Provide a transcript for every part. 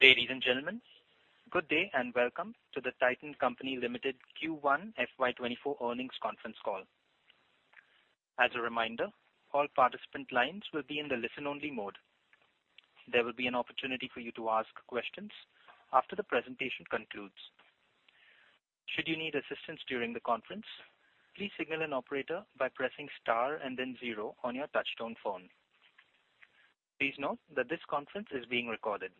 Ladies and gentlemen, good day, and welcome to the Titan Company Limited Q1 FY 2024 earnings conference call. As a reminder, all participant lines will be in the listen-only mode. There will be an opportunity for you to ask questions after the presentation concludes. Should you need assistance during the conference, please signal an operator by pressing star and then zero on your touchtone phone. Please note that this conference is being recorded.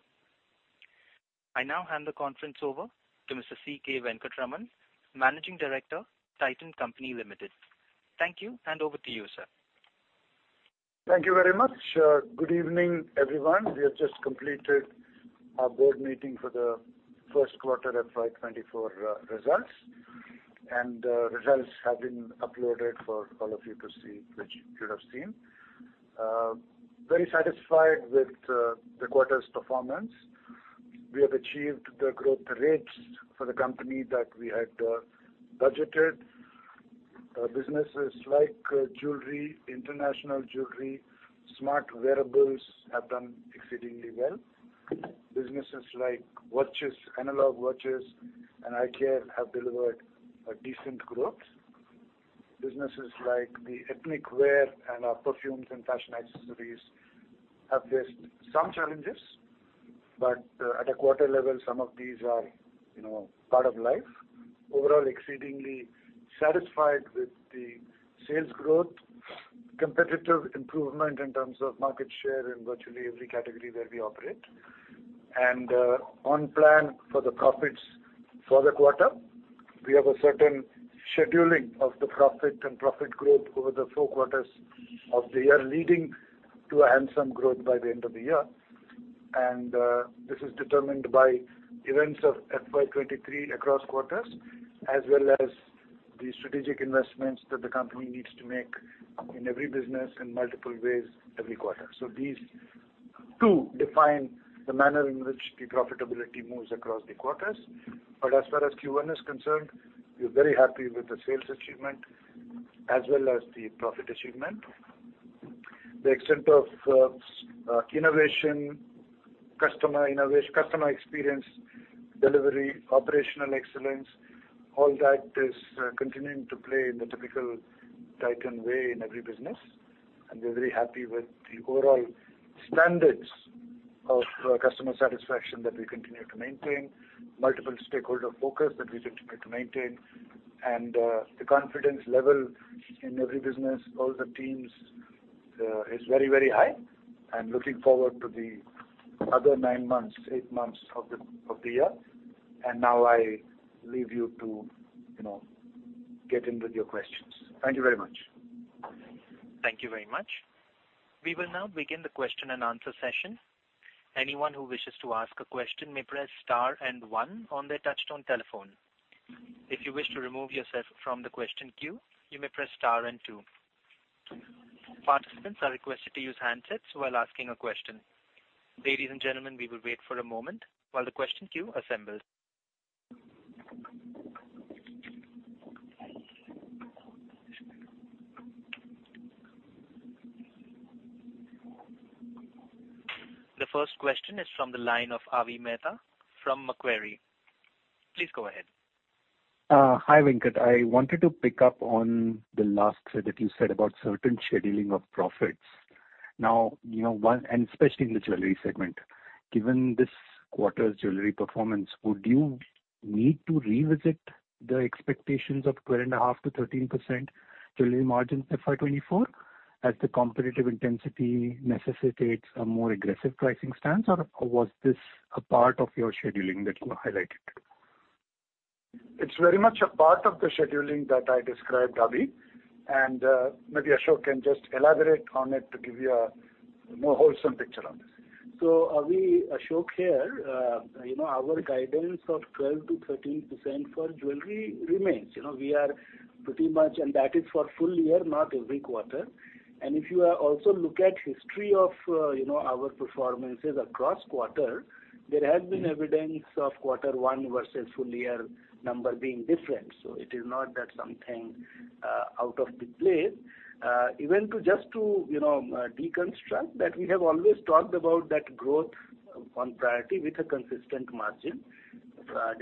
I now hand the conference over to Mr. C. K. Venkataraman, Managing Director, Titan Company Limited. Thank you, and over to you, sir. Thank you very much. Good evening, everyone. We have just completed our board meeting for the first quarter FY 2024 results. Results have been uploaded for all of you to see, which you'd have seen. Very satisfied with the quarter's performance. We have achieved the growth rates for the company that we had budgeted. Businesses like Jewelry, International Jewelry, Smart Wearables have done exceedingly well. Businesses like watches, analog watches, and eye care have delivered a decent growth. Businesses like the ethnic wear and our perfumes and fashion accessories have faced some challenges, but at a quarter level, some of these are, you know, part of life. Overall, exceedingly satisfied with the sales growth, competitive improvement in terms of market share in virtually every category where we operate, and on plan for the profits for the quarter. We have a certain scheduling of the profit and profit growth over the four quarters of the year, leading to a handsome growth by the end of the year. This is determined by events of FY 2023 across quarters, as well as the strategic investments that the company needs to make in every business in multiple ways every quarter. These two define the manner in which the profitability moves across the quarters. As far as Q1 is concerned, we're very happy with the sales achievement as well as the profit achievement. The extent of innovation, customer innovation, customer experience, delivery, operational excellence, all that is continuing to play in the typical Titan way in every business. We're very happy with the overall standards of customer satisfaction that we continue to maintain, multiple stakeholder focus that we continue to maintain, and the confidence level in every business, all the teams is very, very high. I'm looking forward to the other nine months, eight months of the, of the year. Now I leave you to, you know, get in with your questions. Thank you very much. Thank you very much. We will now begin the question-and-answer session. Anyone who wishes to ask a question may press star and one on their touch-tone telephone. If you wish to remove yourself from the question queue, you may press star and two. Participants are requested to use handsets while asking a question. Ladies and gentlemen, we will wait for a moment while the question queue assembles. The first question is from the line of Avi Mehta from Macquarie. Please go ahead. Hi, Venkat. I wanted to pick up on the last slide that you said about certain scheduling of profits. Now, you know, especially in the Jewelry segment, given this quarter's Jewelry performance, would you need to revisit the expectations of 12.5%-13% Jewelry margin FY 2024, as the competitive intensity necessitates a more aggressive pricing stance, or, or was this a part of your scheduling that you highlighted? It's very much a part of the scheduling that I described, Avi, and maybe Ashok can just elaborate on it to give you a more wholesome picture on this. Avi, Ashok here. You know, our guidance of 12%-13% for Jewelry remains. You know, we are pretty much, and that is for full year, not every quarter. If you also look at history of, you know, our performances across quarter, there has been evidence of Q1 versus full year number being different. It is not that something out of the place. Even to, just to, you know, deconstruct, that we have always talked about that growth on priority with a consistent margin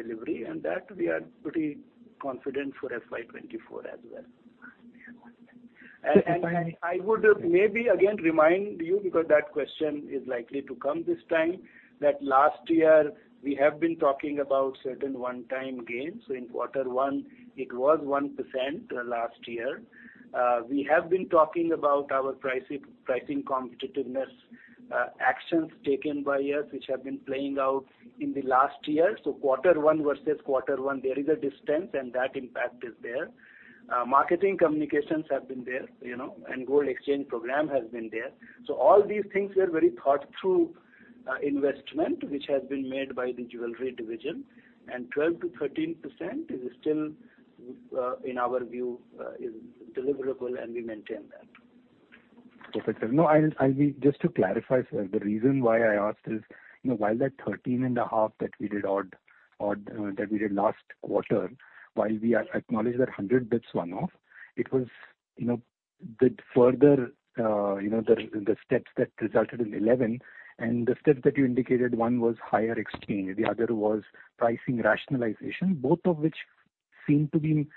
delivery, and that we are pretty confident for FY 2024 as well. And, and - I would maybe again remind you, because that question is likely to come this time, that last year we have been talking about certain one-time gains. In quarter one, it was 1% last year. We have been talking about our pricing, pricing competitiveness, actions taken by us, which have been playing out in the last year. Quarter one versus quarter one, there is a distance, and that impact is there. Marketing communications have been there, you know, and gold exchange program has been there. All these things were very thought through investment, which has been made by the Jewelry division. 12%-13% is still in our view is deliverable, and we maintain that. Perfect. No, I'll, I'll be... Just to clarify, sir, the reason why I asked is, you know, while that 13.5 that we did odd, odd, that we did last quarter, while we acknowledge that hundred bips one-off, it was, you know, the further, you know, the, the steps that resulted in 11, and the steps that you indicated, one was higher exchange, the other was pricing rationalization, both of which seem to be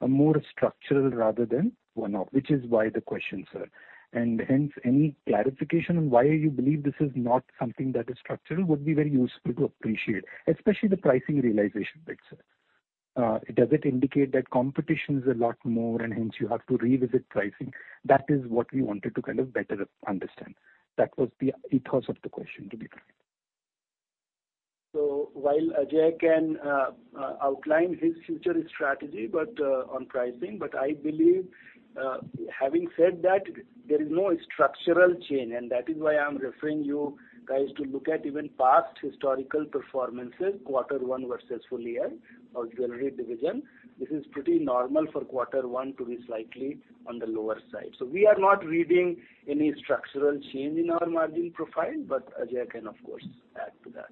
a more structural rather than one-off, which is why the question, sir. Hence, any clarification on why you believe this is not something that is structural would be very useful to appreciate, especially the pricing realization bit, sir. Does it indicate that competition is a lot more and hence you have to revisit pricing? That is what we wanted to kind of better understand. That was the ethos of the question, to be frank. While Ajoy can outline his future strategy, but on pricing, but I believe, having said that, there is no structural change, and that is why I'm referring you guys to look at even past historical performances, Quarter one versus full year of Jewelry division. This is pretty normal for quarter one to be slightly on the lower side. We are not reading any structural change in our margin profile. Ajoy can, of course, add to that.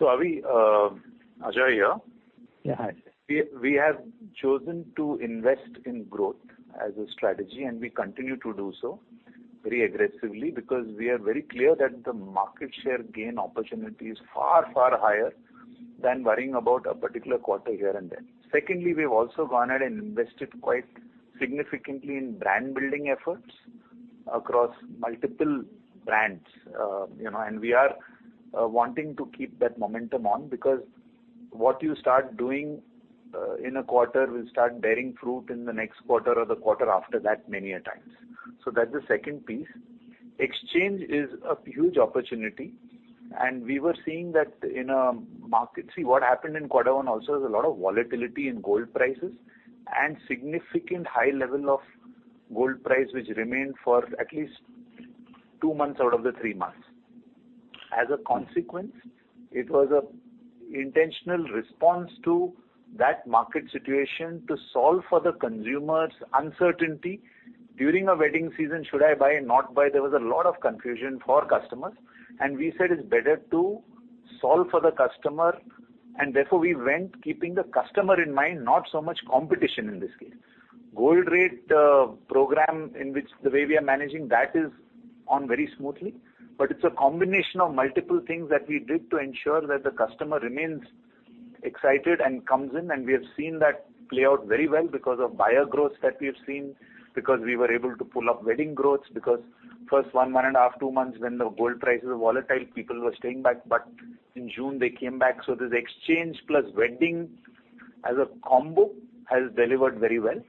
Avi, Ajoy here. Yeah, hi. We have chosen to invest in growth as a strategy. We continue to do so very aggressively, because we are very clear that the market share gain opportunity is far, far higher than worrying about a particular quarter here and there. Secondly, we've also gone ahead and invested quite significantly in brand-building efforts across multiple brands. you know, we are wanting to keep that momentum on, because what you start doing in a quarter will start bearing fruit in the next quarter or the quarter after that, many a times. That's the second piece. Exchange is a huge opportunity. We were seeing that in a market. See, what happened in quarter one also is a lot of volatility in gold prices and significant high level of gold price, which remained for at least two months out of the three months. As a consequence, it was a intentional response to that market situation to solve for the consumer's uncertainty. During a wedding season, should I buy or not buy? There was a lot of confusion for customers, we said it's better to solve for the customer, and therefore we went keeping the customer in mind, not so much competition in this case. Gold rate, program, in which the way we are managing that is on very smoothly. It's a combination of multiple things that we did to ensure that the customer remains excited and comes in, and we have seen that play out very well because of buyer growth that we have seen, because we were able to pull up wedding growth. First one month and a half, two months, when the gold prices were volatile, people were staying back, but in June, they came back. This exchange plus wedding as a combo has delivered very well.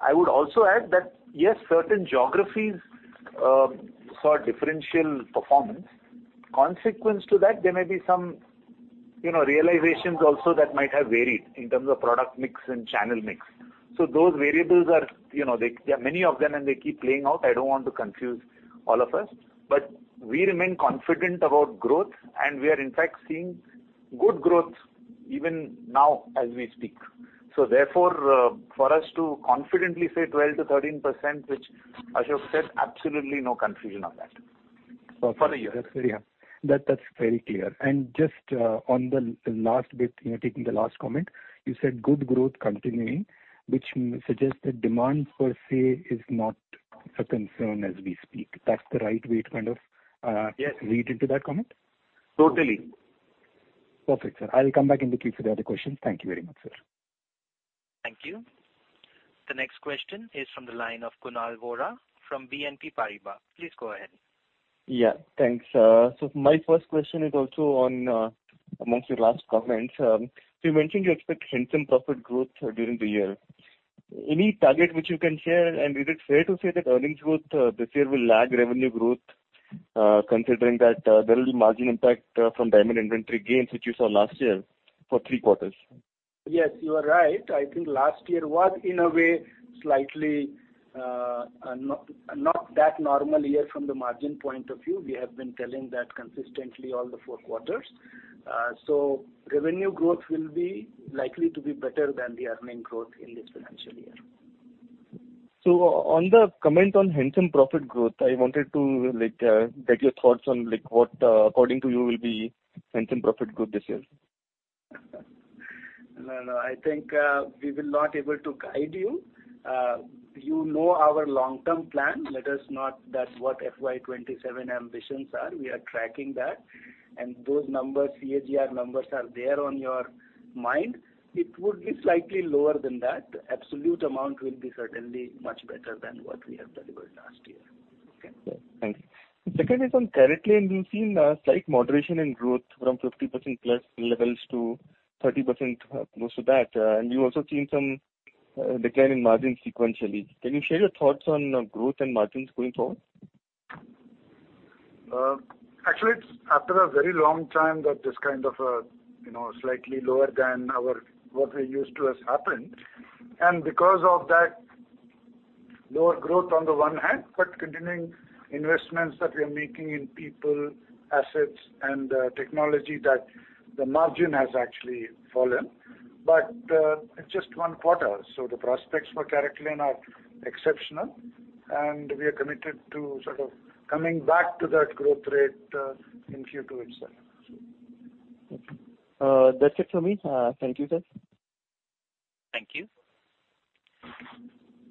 I would also add that, yes, certain geographies saw differential performance. Consequence to that, there may be some, you know, realizations also that might have varied in terms of product mix and channel mix. Those variables are, you know, there are many of them, and they keep playing out. I don't want to confuse all of us, but we remain confident about growth, and we are in fact seeing good growth even now as we speak. Therefore, for us to confidently say 12%-13%, which Ashok said, absolutely no confusion on that. For a year. That's very clear. Just on the last bit, you know, taking the last comment, you said good growth continuing, which suggests that demand per se is not a concern as we speak. That's the right way to kind of. Yes. Read into that comment? Totally. Perfect, sir. I will come back in the queue for the other questions. Thank you very much, sir. Thank you. The next question is from the line of Kunal Vora from BNP Paribas. Please go ahead. Yeah, thanks. My first question is also on, amongst your last comments. You mentioned you expect handsome profit growth during the year. Any target which you can share, and is it fair to say that earnings growth, this year will lag revenue growth, considering that, there will be margin impact, from diamond inventory gains, which you saw last year for three quarters? Yes, you are right. I think last year was, in a way, slightly, not, not that normal year from the margin point of view. We have been telling that consistently all the four quarters. Revenue growth will be likely to be better than the earning growth in this financial year. On the comment on handsome profit growth, I wanted to, like, get your thoughts on, like, what, according to you, will be handsome profit growth this year? No, no, I think, we will not able to guide you. You know our long-term plan. That's what FY 2027 ambitions are. We are tracking that, and those numbers, CAGR numbers, are there on your mind. It would be slightly lower than that. Absolute amount will be certainly much better than what we have delivered last year. Okay, thank you. The second is on CaratLane. We've seen a slight moderation in growth from 50%+ levels to 30%, close to that, and you also seen some decline in margins sequentially. Can you share your thoughts on growth and margins going forward? Actually, it's after a very long time that this kind of, you know, slightly lower than our, what we're used to, has happened. Because of that, lower growth on the one hand, but continuing investments that we are making in people, assets, and technology that the margin has actually fallen. It's just one quarter, so the prospects for CaratLane are exceptional, and we are committed to sort of coming back to that growth rate in future itself. That's it for me. Thank you, sir. Thank you.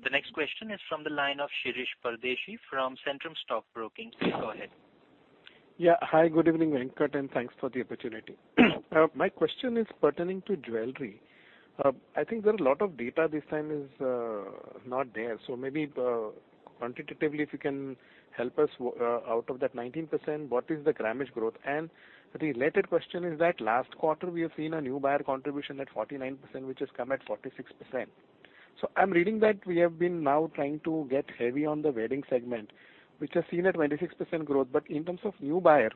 The next question is from the line of Shirish Pardeshi from Centrum Stock Broking. Please go ahead. Yeah. Hi, good evening, Venkat. Thanks for the opportunity. My question is pertaining to Jewelry. I think there are a lot of data this time is not there, so maybe, quantitatively, if you can help us out of that 19%, what is the grammage growth? The related question is that last quarter, we have seen a new buyer contribution at 49%, which has come at 46%. I'm reading that we have been now trying to get heavy on the wedding segment, which has seen a 26% growth. In terms of new buyer,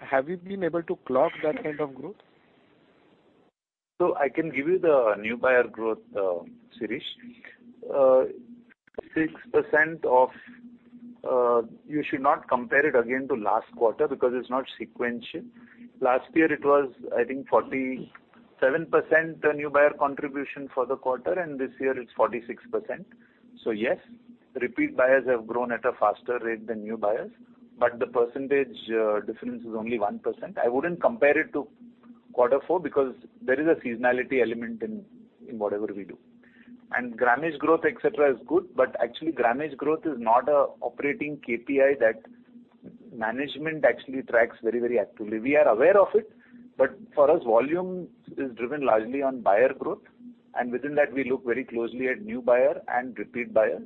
have you been able to clock that kind of growth? I can give you the new buyer growth, Shirish. 6% of you should not compare it again to last quarter because it's not sequential. Last year, it was, I think, 47% new buyer contribution for the quarter, and this year it's 46%. Yes, repeat buyers have grown at a faster rate than new buyers, but the percentage difference is only 1%. I wouldn't compare it to quarter four because there is a seasonality element in, in whatever we do. Grammage growth, et cetera, is good, but actually, grammage growth is not a operating KPI that management actually tracks very, very actively. We are aware of it, but for us, volume is driven largely on buyer growth, and within that, we look very closely at new buyer and repeat buyers,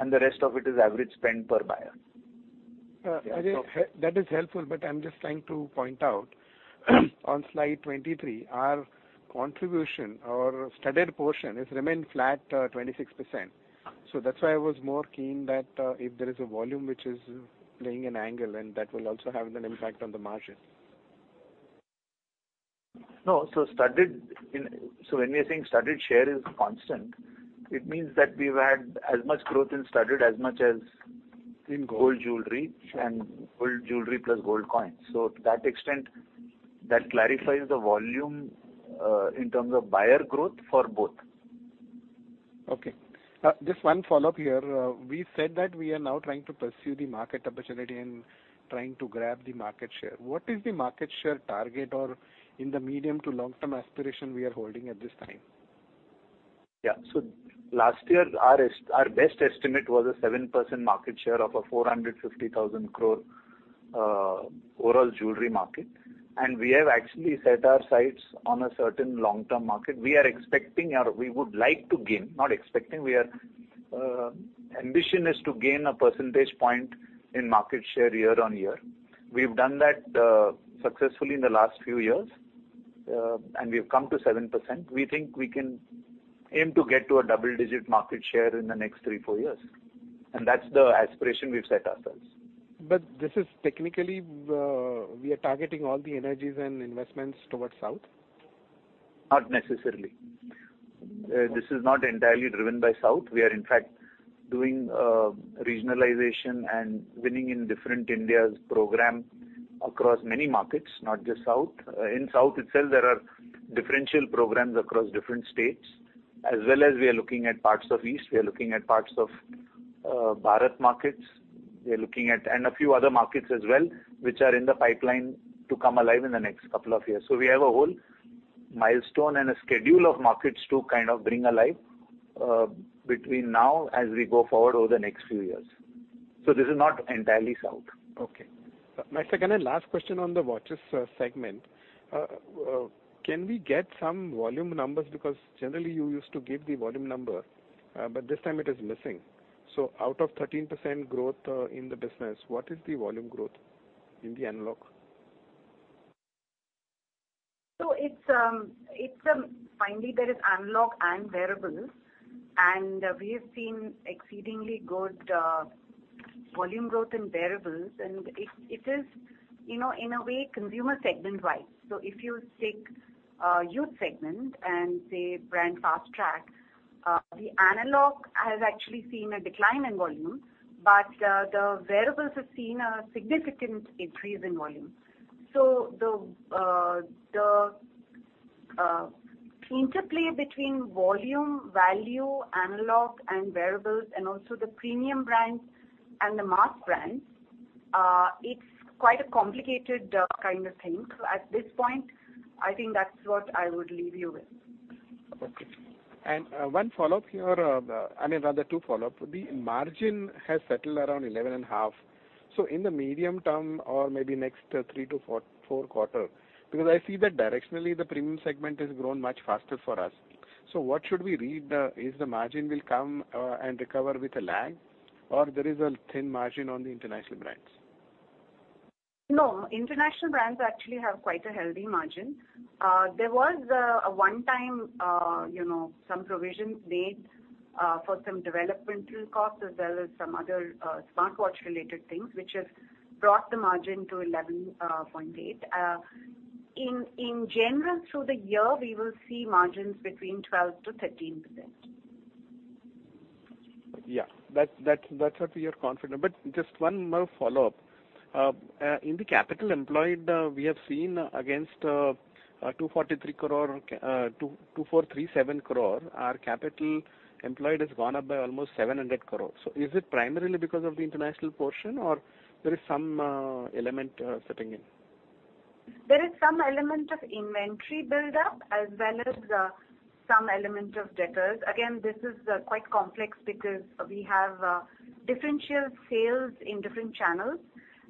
and the rest of it is average spend per buyer. That is helpful, but I'm just trying to point out, on slide 23, our contribution or studded portion has remained flat, 26%. That's why I was more keen that, if there is a volume which is playing an angle, then that will also have an impact on the margin. No, studded so when we are saying studded share is constant, it means that we've had as much growth in studded. In gold jewelry and gold jewelry plus gold coins. To that extent, that clarifies the volume, in terms of buyer growth for both. Okay. Just one follow-up here. We said that we are now trying to pursue the market opportunity and trying to grab the market share. What is the market share target or in the medium to long-term aspiration we are holding at this time? Yeah. Last year, our best estimate was a 7% market share of an 450,000 crore overall Jewelry market. We have actually set our sights on a certain long-term market. We are expecting or we would like to gain, not expecting, we are, ambition is to gain a percentage point in market share year on year. We've done that successfully in the last few years. We've come to 7%. We think we can aim to get to a double-digit market share in the next three, four years. That's the aspiration we've set ourselves. This is technically, we are targeting all the energies and investments towards South? Not necessarily. This is not entirely driven by South. We are, in fact, doing regionalization and winning in different India's program across many markets, not just South. In South itself, there are differential programs across different states, as well as we are looking at parts of East, we are looking at parts of Bharat Markets, we are looking at. A few other markets as well, which are in the pipeline to come alive in the next couple of years. We have a whole milestone and a schedule of markets to kind of bring alive between now as we go forward over the next few years. This is not entirely South. Okay. My second and last question on the Watches segment. Can we get some volume numbers? Generally, you used to give the volume number, but this time it is missing. Out of 13% growth in the business, what is the volume growth in the analog? Finally, there isAnalog and Wearables, and we have seen exceedingly good volume growth in Wearables, and it, it is, you know, in a way, consumer segment-wide. If you take youth segment and say brand Fastrack, the analog has actually seen a decline in volume, but the Wearables have seen a significant increase in volume. The interplay between volume, value, Analog and Wearables, and also the premium brands and the mass brands, it's quite a complicated kind of thing. At this point, I think that's what I would leave you with. Okay. One follow-up here, I mean, rather two follow-up. The margin has settled around 11.5. In the medium term or maybe next, 3-4, four quarter, because I see that directionally, the premium segment has grown much faster for us. What should we read? Is the margin will come, and recover with a lag, or there is a thin margin on the international brands? No, international brands actually have quite a healthy margin. There was a one-time, you know, some provisions made for some developmental costs, as well as some other smartwatch-related things, which has brought the margin to 11.8%. In general, through the year, we will see margins between 12%-13%. Yeah, that's, that's, that's what we are confident. Just one more follow-up. In the capital employed, we have seen against 243 crore, 2,243.7 crore, our capital employed has gone up by almost 700 crore. Is it primarily because of the international portion or there is some element setting in? There is some element of inventory build up as well as some element of debtors. Again, this is quite complex because we have differential sales in different channels,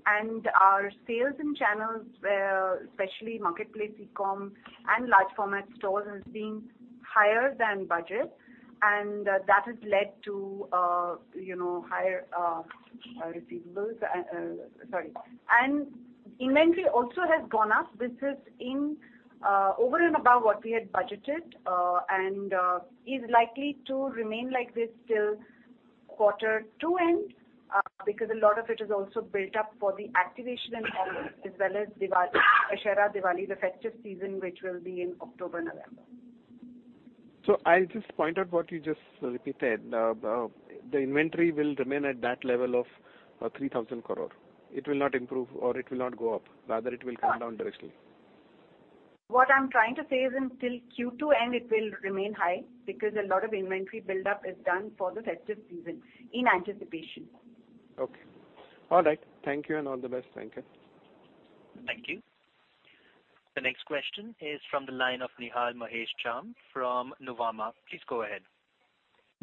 and our sales in channels, where especially marketplace e-com and large format stores, has been higher than budget, and that has led to, you know, higher receivables. Sorry. Inventory also has gone up. This is over and above what we had budgeted, and is likely to remain like this till quarter two end, because a lot of it is also built up for the activation and August, as well as Diwali, Akshaya Tritiya, Diwali, the festive season, which will be in October, November. I'll just point out what you just repeated. The inventory will remain at that level of 3,000 crore. It will not improve or it will not go up, rather it will come down directly. What I'm trying to say is until Q2 end, it will remain high because a lot of inventory buildup is done for the festive season in anticipation. Okay. All right. Thank you, and all the best. Thank you. Thank you. The next question is from the line of Nihal Mahesh Jham from Nuvama. Please go ahead.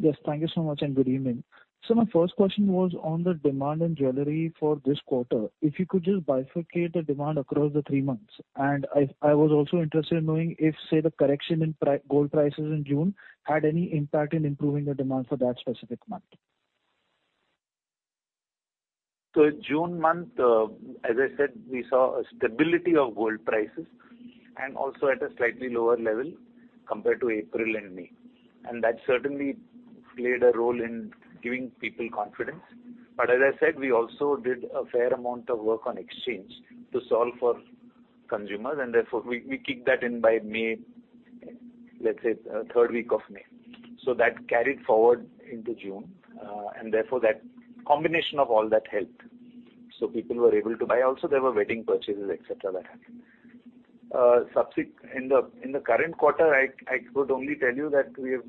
Yes, thank you so much. Good evening. My first question was on the demand in Jewelry for this quarter. If you could just bifurcate the demand across the three months. I was also interested in knowing if, say, the correction in gold prices in June had any impact in improving the demand for that specific month. In June month, as I said, we saw a stability of gold prices and also at a slightly lower level compared to April and May. That certainly played a role in giving people confidence. As I said, we also did a fair amount of work on exchange to solve for consumers, and therefore we, we kicked that in by May, let's say, third week of May. That carried forward into June, and therefore that combination of all that helped. People were able to buy. There were wedding purchases, et cetera, that happened. In the current quarter, I, I could only tell you that we have,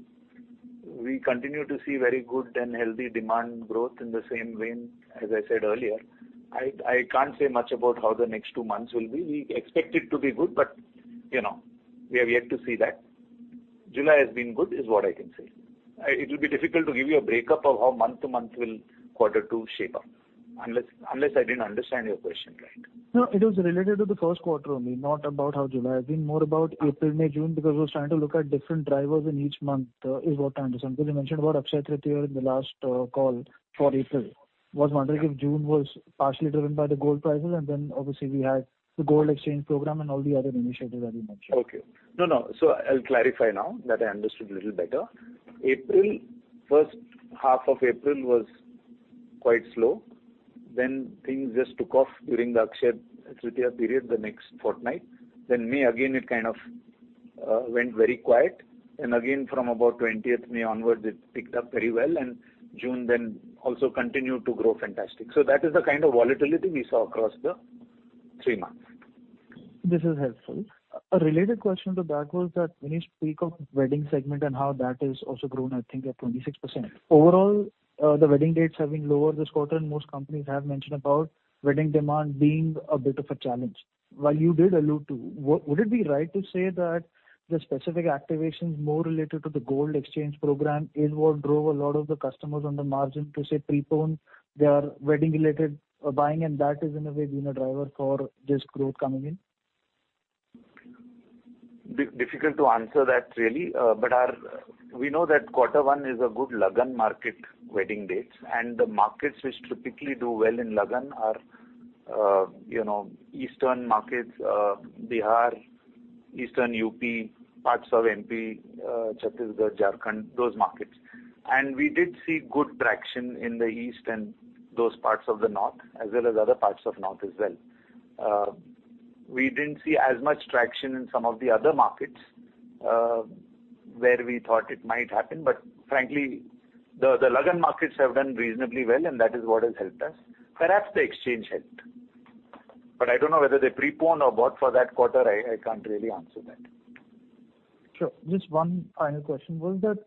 we continue to see very good and healthy demand growth in the same vein, as I said earlier. I, I can't say much about how the next two months will be. We expect it to be good, but, you know, we are yet to see that. July has been good, is what I can say. It will be difficult to give you a breakup of how month to month will quarter two shape up, unless, unless I didn't understand your question right? No, it was related to the first quarter only, not about how July has been. More about April, May, June, because I was trying to look at different drivers in each month, is what I understand. You mentioned about Akshaya Tritiya in the last call for April. Was wondering if June was partially driven by the gold prices, and then obviously we had the gold exchange program and all the other initiatives that you mentioned. Okay. No, no. I'll clarify now that I understood a little better. April, first half of April was quite slow. Things just took off during the Akshaya Tritiya period, the next fortnight. May, again, it kind of went very quiet. Again, from about 20th May onwards, it picked up very well, and June then also continued to grow fantastic. That is the kind of volatility we saw across the three months. This is helpful. A related question to that was that when you speak of wedding segment and how that has also grown, I think at 26%. Overall, the wedding dates have been lower this quarter, and most companies have mentioned about wedding demand being a bit of a challenge. While you did allude to, would it be right to say that the specific activations more related to the gold exchange program is what drove a lot of the customers on the margin to, say, prepone their wedding-related buying, and that is, in a way, been a driver for this growth coming in? Difficult to answer that, really. We know that quarter one is a good Lagan market wedding dates, and the markets which typically do well in Lagan are, you know, eastern markets, Bihar, eastern UP, parts of MP, Chhattisgarh, Jharkhand, those markets. We did see good traction in the east and those parts of the north, as well as other parts of north as well. We didn't see as much traction in some of the other markets, where we thought it might happen. Frankly, the Lagan markets have done reasonably well, and that is what has helped us. Perhaps the exchange helped, but I don't know whether they prepone or bought for that quarter. I can't really answer that. Sure. Just one final question was that,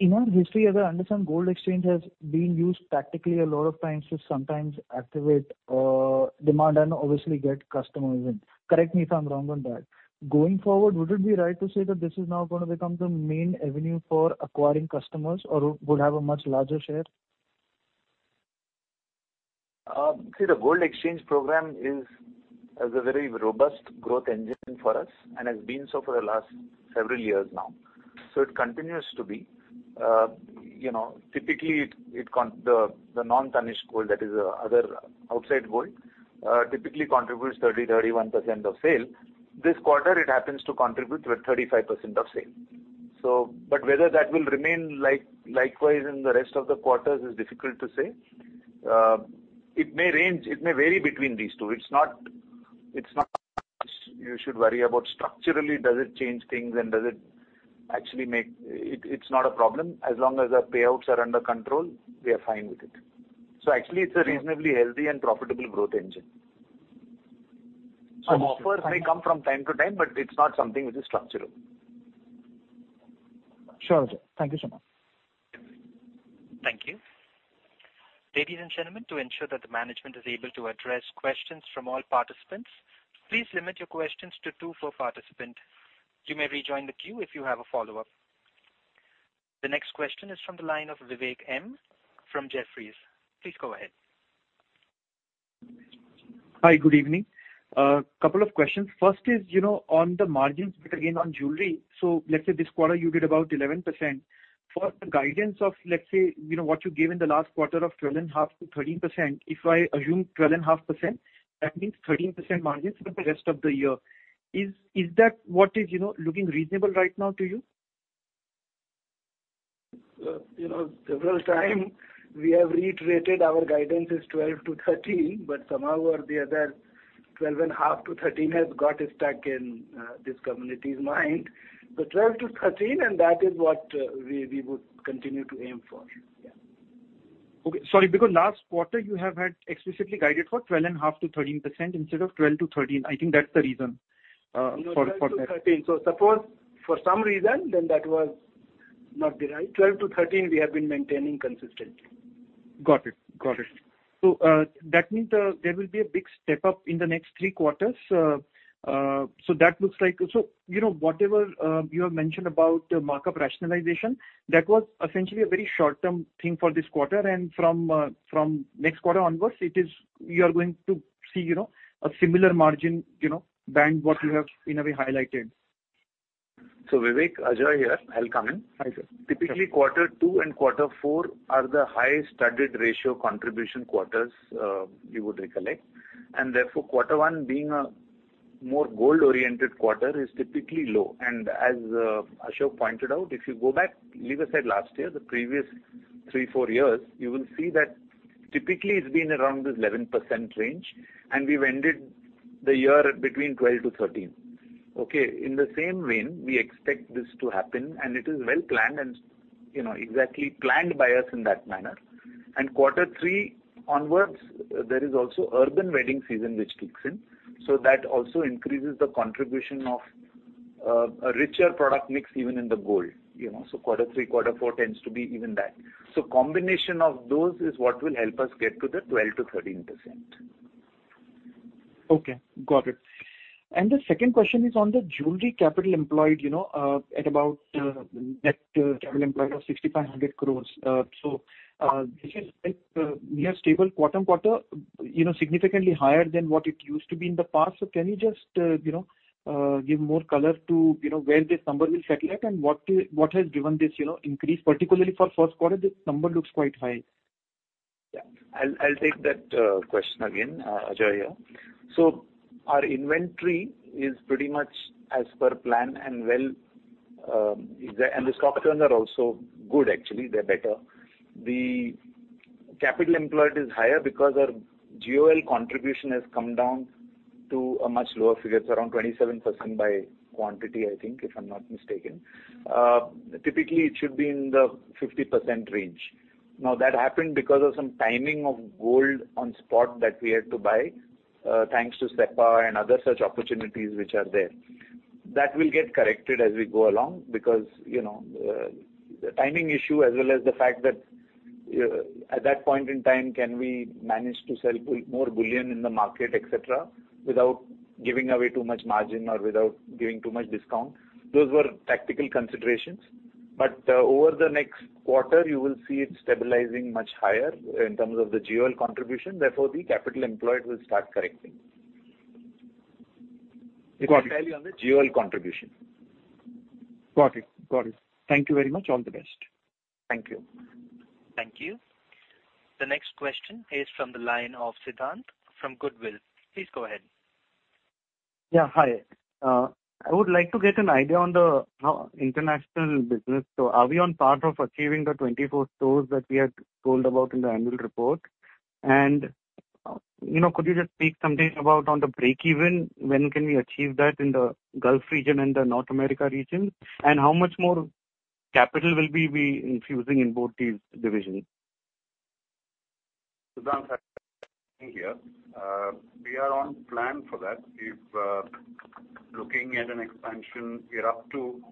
in our history, as I understand, gold exchange has been used tactically a lot of times to sometimes activate, demand and obviously get customers in. Correct me if I'm wrong on that. Going forward, would it be right to say that this is now gonna become the main avenue for acquiring customers or would have a much larger share? See, the gold exchange program is a very robust growth engine for us and has been so for the last several years now. It continues to be. You know, typically, it, the non-tarnished gold, that is, other outside gold, typically contributes 30%-31% of sale. This quarter, it happens to contribute to a 35% of sale. But whether that will remain likewise in the rest of the quarters is difficult to say. It may range, it may vary between these two. It's not, it's not you should worry about structurally, does it change things and does it actually make... It's not a problem. As long as our payouts are under control, we are fine with it. Actually, it's a reasonably healthy and profitable growth engine. So- Offers may come from time to time. It's not something which is structural. Sure, sir. Thank you so much. Ladies and gentlemen, to ensure that the management is able to address questions from all participants, please limit your questions to two per participant. You may rejoin the queue if you have a follow-up. The next question is from the line of Vivek M. from Jefferies. Please go ahead. Hi, good evening. couple of questions. First is, you know, on the margins, but again, on Jewelry. So let's say this quarter you did about 11%. For the guidance of, let's say, you know, what you gave in the last quarter of 12.5%-13%, if I assume 12.5%, that means 13% margins for the rest of the year. Is, is that what is, you know, looking reasonable right now to you? You know, several time we have reiterated our guidance is 12-13, but somehow or the other, 12.5-13 has got stuck in this community's mind. 12-13, and that is what, we, we would continue to aim for. Yeah. Okay. Sorry, because last quarter you have had explicitly guided for 12.5%-13% instead of 12%-13%. I think that's the reason for, for that. No, 12-13. Suppose for some reason, then that was not the right. 12-13, we have been maintaining consistently. Got it. Got it. That means, there will be a big step up in the next three quarters. That looks like... You know, whatever, you have mentioned about the markup rationalization, that was essentially a very short-term thing for this quarter. From next quarter onwards, you are going to see, you know, a similar margin, you know, bank what you have in a way highlighted. Vivek, Ajoy here. I'll come in. Hi, sir. Typically, quarter two and quarter four are the highest studded ratio contribution quarters, you would recollect. Therefore, quarter one, being a more gold-oriented quarter, is typically low. As Ashok pointed out, if you go back, leave aside last year, the previous 3-4 years, you will see that typically it's been around this 11% range, and we've ended the year between 12-13. Okay, in the same vein, we expect this to happen, and it is well planned and, you know, exactly planned by us in that manner. Quarter three onwards, there is also urban wedding season, which kicks in. That also increases the contribution of a richer product mix, even in the gold, you know. Quarter three, quarter four tends to be even that. Combination of those is what will help us get to the 12%-13%. Okay, got it. The second question is on the Jewelry capital employed, you know, at about, net capital employed of 6,500 crores. This is like, we are stable quarter-on-quarter, you know, significantly higher than what it used to be in the past. Can you just, you know, give more color to, you know, where this number will settle at, and what, what has driven this, you know, increase, particularly for first quarter? This number looks quite high. Yeah. I'll, I'll take that question again. Ajoy here. Our inventory is pretty much as per plan and well, and the stock trends are also good, actually, they're better. The capital employed is higher because our GML contribution has come down to a much lower figure. It's around 27% by quantity, I think, if I'm not mistaken. Typically, it should be in the 50% range. That happened because of some timing of gold on spot that we had to buy, thanks to CEPA and other such opportunities which are there. That will get corrected as we go along, because, you know, the timing issue, as well as the fact that, at that point in time, can we manage to sell more bullion in the market, et cetera, without giving away too much margin or without giving too much discount? Those were tactical considerations. Over the next quarter, you will see it stabilizing much higher in terms of the GML contribution, therefore, the capital employed will start correcting. Got it. It's entirely on the GML contribution. Got it. Got it. Thank you very much. All the best. Thank you. Thank you. The next question is from the line of Siddhant from Goodwill. Please go ahead. Yeah, hi. I would like to get an idea on the international business. Are we on part of achieving the 24 stores that we had told about in the annual report? You know, could you just speak something about on the break even, when can we achieve that in the Gulf region and the North America region? How much more capital will be we infusing in both these divisions? Siddhant, here. We are on plan for that. We've looking at an expansion, we're up to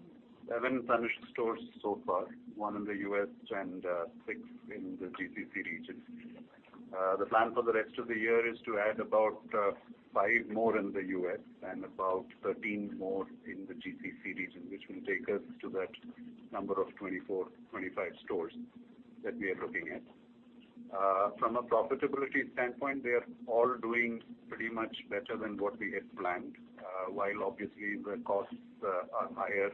11 finished stores so far, one in the U.S. and six in the GCC region. The plan for the rest of the year is to add about five more in the U.S. and about 13 more in the GCC region, which will take us to that number of 24-25 stores that we are looking at. From a profitability standpoint, they are all doing pretty much better than what we had planned. While obviously the costs are higher,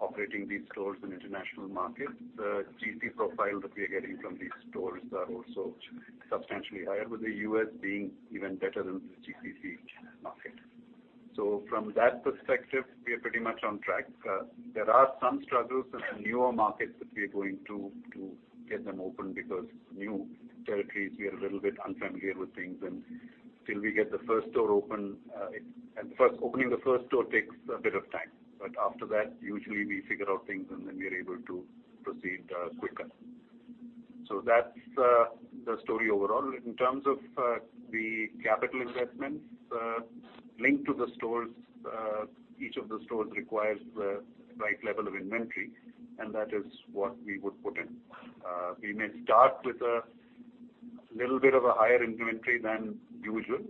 operating these stores in international markets, the GP profile that we are getting from these stores are also substantially higher, with the U.S. being even better than the GCC market. From that perspective, we are pretty much on track. There are some struggles in the newer markets that we are going to, to get them open, because new territories, we are a little bit unfamiliar with things. Till we get the first store open, opening the first store takes a bit of time. After that, usually we figure out things, and then we are able to proceed quicker. That's the story overall. In terms of the capital investment. Linked to the stores, each of the stores requires the right level of inventory. That is what we would put in. We may start with a little bit of a higher inventory than usual.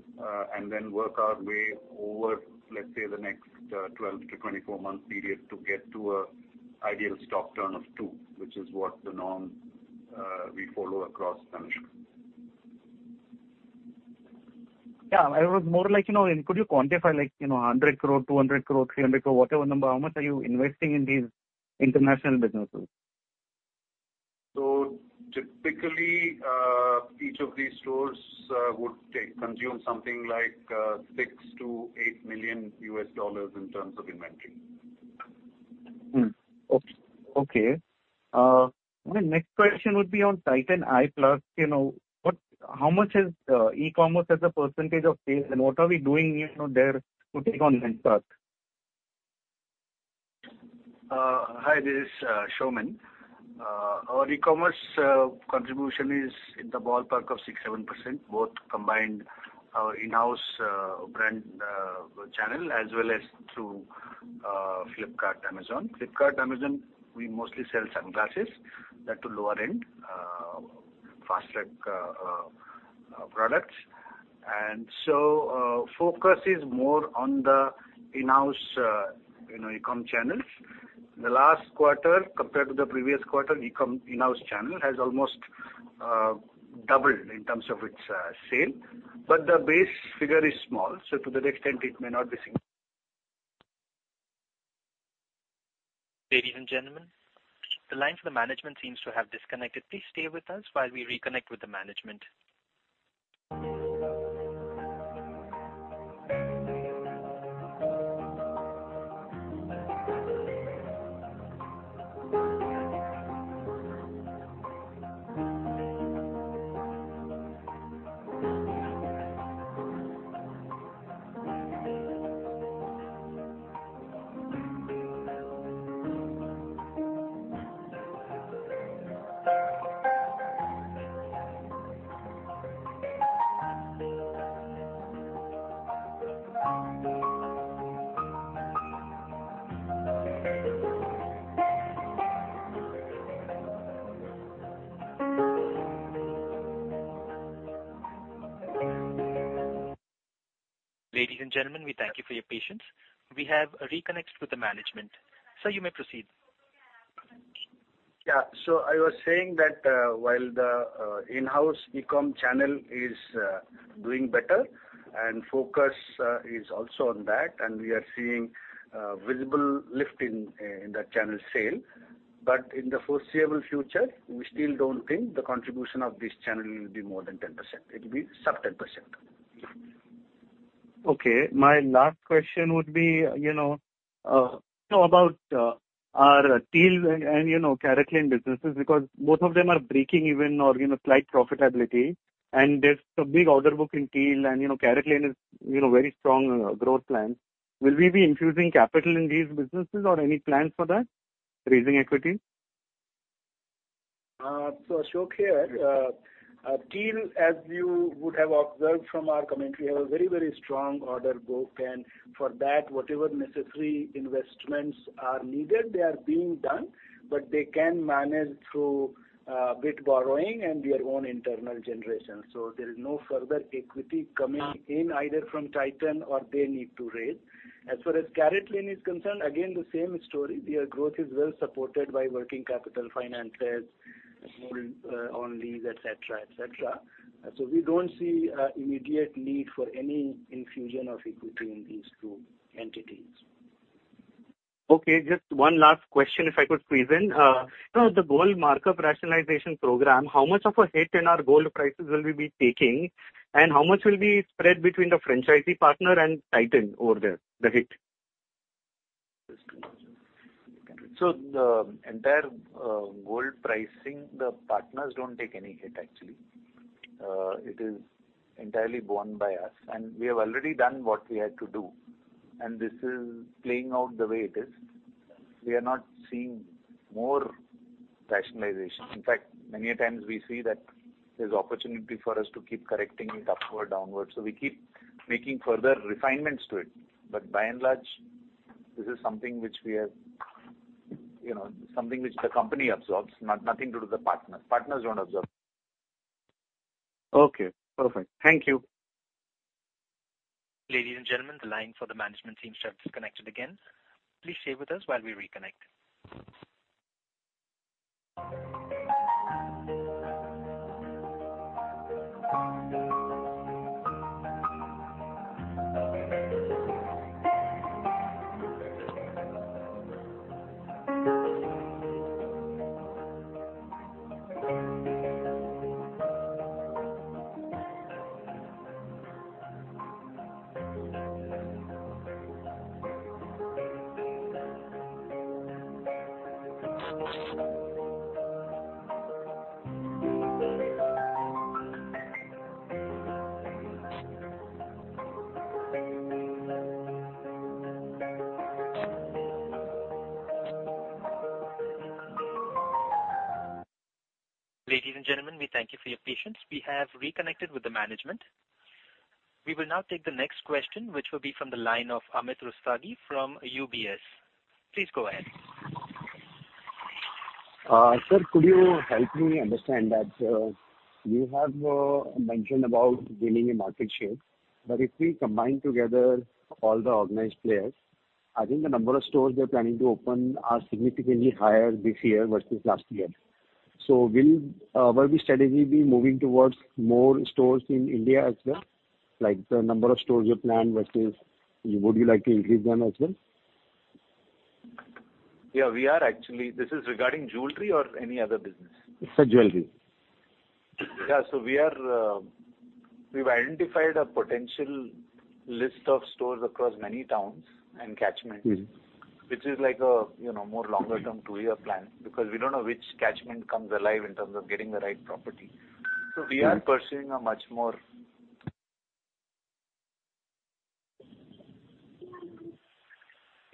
Then work our way over, let's say, the next 12-24 months period, to get to a ideal stock turn of two, which is what the norm, we follow across the country. Yeah, I was more like, you know, could you quantify like, you know, 100 crore, 200 crore, 300 crore, whatever number, how much are you investing in these international businesses? Typically, each of these stores would take-- consume something like $6 million-$8 million in terms of inventory. Okay. My next question would be on Titan Eye+, you know, how much is e-commerce as a % of sales, and what are we doing, you know, there to take on Flipkart? Hi, this is Saumen. Our e-commerce contribution is in the ballpark of 6%-7%, both combined our in-house brand channel, as well as through Flipkart, Amazon. Flipkart, Amazon, we mostly sell sunglasses, that to lower end, Fastrack products. So, focus is more on the in-house, you know, e-com channels. The last quarter, compared to the previous quarter, e-com in-house channel has almost doubled in terms of its sale, but the base figure is small, so to that extent, it may not be seen. Ladies and gentlemen, the line for the management seems to have disconnected. Please stay with us while we reconnect with the management. Ladies and gentlemen, we thank you for your patience. We have reconnected with the management. Sir, you may proceed. Yeah. I was saying that, while the in-house e-com channel is doing better and focus is also on that, and we are seeing a visible lift in, in that channel sale. In the foreseeable future, we still don't think the contribution of this channel will be more than 10%. It will be sub 10%. Okay. My last question would be, you know, about our TEAL and, you know, CaratLane businesses, because both of them are breaking even or, you know, slight profitability, and there's a big order book in TEAL, and, you know, CaratLane is, you know, very strong growth plans. Will we be infusing capital in these businesses or any plans for that, raising equity? Ashok here, TEAL as you would have observed from our commentary, have a very, very strong order book, and for that, whatever necessary investments are needed, they are being done, but they can manage through bit borrowing and their own internal generation. There is no further equity coming in, either from Titan or they need to raise. As far as CaratLane is concerned, again, the same story. Their growth is well supported by working capital finances, small, on lease, et cetera, et cetera. We don't see an immediate need for any infusion of equity in these two entities. Okay, just one last question, if I could please then. The gold markup rationalization program, how much of a hit in our gold prices will we be taking? How much will be spread between the franchisee partner and Titan over there, the hit? The entire, gold pricing, the partners don't take any hit, actually. It is entirely borne by us. We have already done what we had to do. This is playing out the way it is. We are not seeing more rationalization. In fact, many a times we see that there's opportunity for us to keep correcting it upward, downward, so we keep making further refinements to it. By and large, this is something which we have, you know, something which the company absorbs, nothing to do with the partners. Partners don't absorb. Okay, perfect. Thank you. Ladies and gentlemen, the line for the management seems to have disconnected again. Please stay with us while we reconnect. Ladies and gentlemen, we thank you for your patience. We have reconnected with the management. We will now take the next question, which will be from the line of Amit Rustagi from UBS. Please go ahead. Sir, could you help me understand that you have mentioned about gaining a market share, but if we combine together all the organized players, I think the number of stores they're planning to open are significantly higher this year versus last year. Will the strategy be moving towards more stores in India as well? Like, the number of stores you planned versus would you like to increase them as well? Yeah, we are actually. This is regarding Jewelry or any other business? Sir, Jewelry. Yeah, we are, we've identified a potential list of stores across many towns and catchments which is like a, you know, more longer term 2-year plan, because we don't know which catchment comes alive in terms of getting the right property. We are pursuing a much more...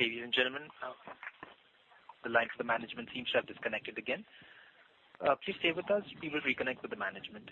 Ladies and gentlemen, the lines, the management seems to have disconnected again. Please stay with us, we will reconnect with the management.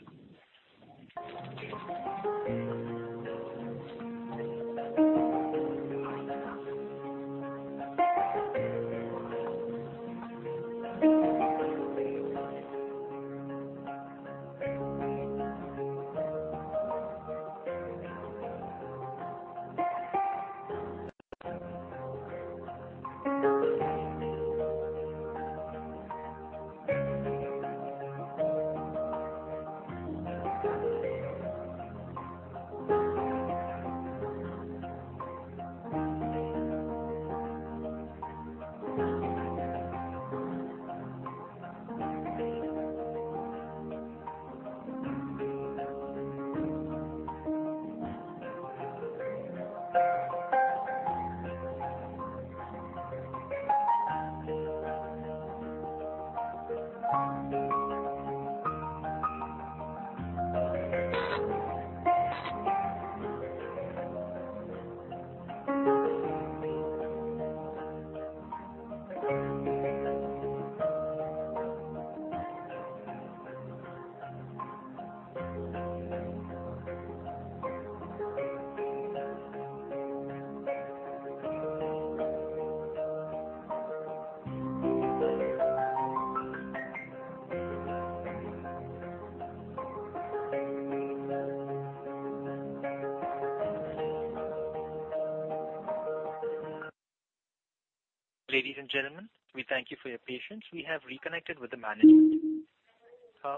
Ladies and gentlemen, we thank you for your patience. We have reconnected with the management.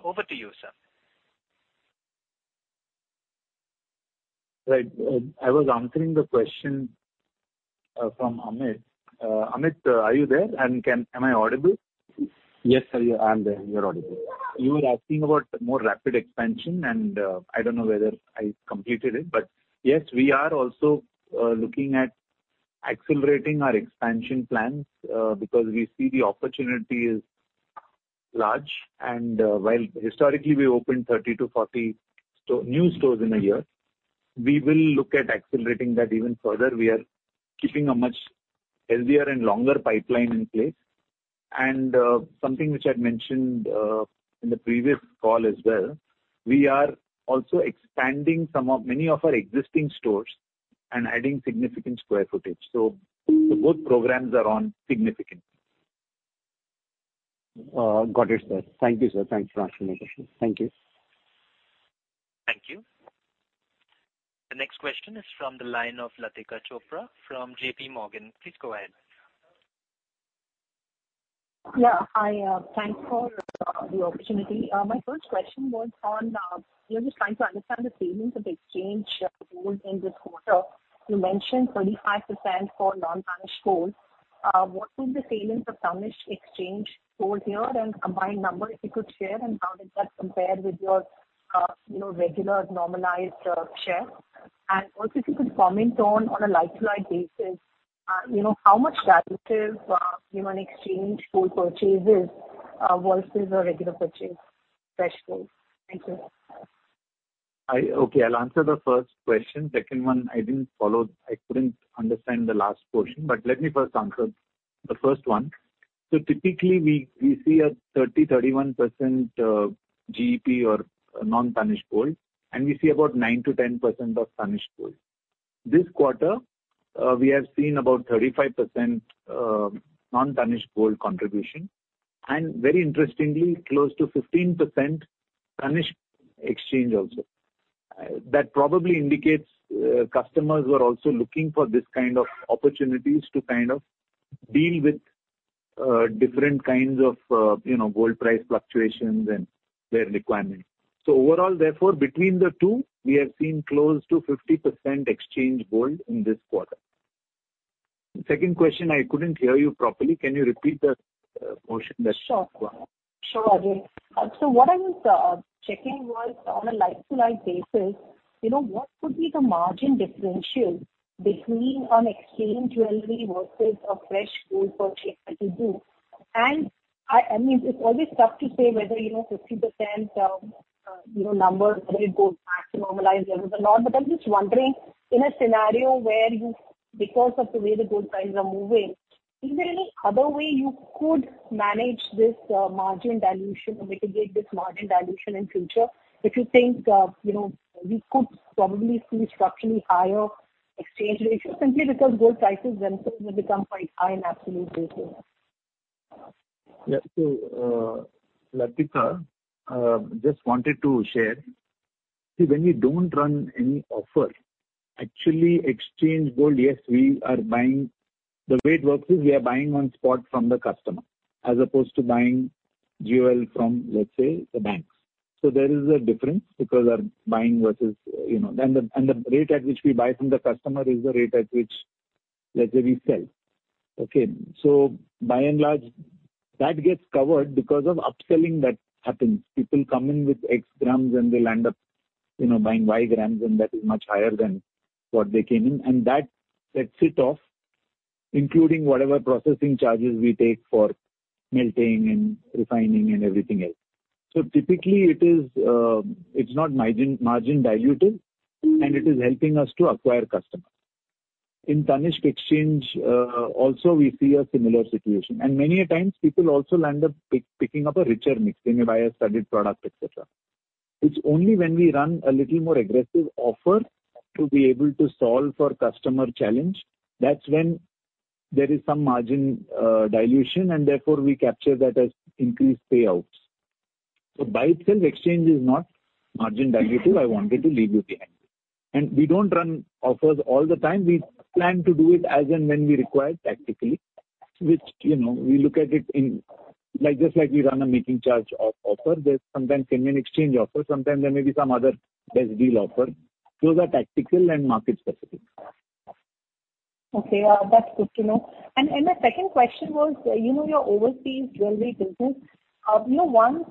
Over to you, sir. Right. I was answering the question from Amit. Amit, are you there, and am I audible? Yes, sir, I am there. You are audible. You were asking about more rapid expansion, and I don't know whether I completed it, but yes, we are also looking at accelerating our expansion plans because we see the opportunity is large. While historically we opened 30 to 40 store, new stores in a year, we will look at accelerating that even further. We are keeping a much healthier and longer pipeline in place. Something which I'd mentioned in the previous call as well, we are also expanding many of our existing stores and adding significant square footage. So both programs are on significantly. Got it, sir. Thank you, sir. Thanks for answering my question. Thank you. Thank you. The next question is from the line of Latika Chopra from J.P. Morgan. Please go ahead. Yeah. I thank for the opportunity. My first question was on, we are just trying to understand the failings of exchange gold in this quarter. You mentioned 35% for non-Tanishq gold. What is the failings ofTanishq exchange gold here, and combined number, if you could share, and how does that compare with your, you know, regular normalized share? Also, if you could comment on, on a like-to-like basis, you know, how much relative margin on exchange gold purchases versus a regular purchase? Fresh gold. Thank you. Okay, I'll answer the first question. Second one, I didn't follow. I couldn't understand the last portion. Let me first answer the first one. Typically, we see a 30%-31% GEP or non-Tanishq gold, and we see about 9%-10% ofTanishq gold. This quarter, we have seen about 35% non-Tanishq gold contribution, and very interestingly, close to 15%Tanishq exchange also. That probably indicates customers were also looking for this kind of opportunities to kind of deal with different kinds of, you know, gold price fluctuations and their requirements. Overall, therefore, between the two, we have seen close to 50% exchange gold in this quarter. Second question, I couldn't hear you properly. Can you repeat the portion, the last one? Sure. Sure, Ajoy. So what I was checking was on a like-to-like basis, you know, what could be the margin differential between on exchange jewelry versus a fresh gold purchase that you do? I, I mean, it's always tough to say whether, you know, 50%, you know, numbers will go back to normalized levels a lot. I'm just wondering, in a scenario where you, because of the way the gold prices are moving, is there any other way you could manage this, margin dilution or mitigate this margin dilution in future? If you think, you know, we could probably see structurally higher exchange ratio, simply because gold prices themselves have become quite high in absolute basis. Yeah. Latika, just wanted to share. See, when we don't run any offer, actually, exchange gold, yes, we are buying. The way it works is we are buying on spot from the customer, as opposed to buying jewel from, let's say, the banks. There is a difference because we are buying versus, you know, and the, and the rate at which we buy from the customer is the rate at which, let's say, we sell. Okay? By and large, that gets covered because of upselling that happens. People come in with X grams and they'll end up, you know, buying Y grams, and that is much higher than what they came in. That sets it off, including whatever processing charges we take for melting and refining and everything else. Typically, it is, it's not margin dilutive, and it is helping us to acquire customers. In Tanishq exchange, also we see a similar situation, and many a times people also land up picking up a richer mix. They may buy a studded product, et cetera. It's only when we run a little more aggressive offer to be able to solve for customer challenge, that's when there is some margin dilution, and therefore we capture that as increased payouts. By itself, exchange is not margin dilutive. I wanted to leave you with that. We don't run offers all the time. We plan to do it as and when we require, tactically, which, you know, we look at it in. Like, just like we run a making charge offer, there's sometimes can be an exchange offer, sometimes there may be some other best deal offer. Those are tactical and market specific. Okay, that's good to know. My second question was, you know, your overseas Jewelry business, you know, once,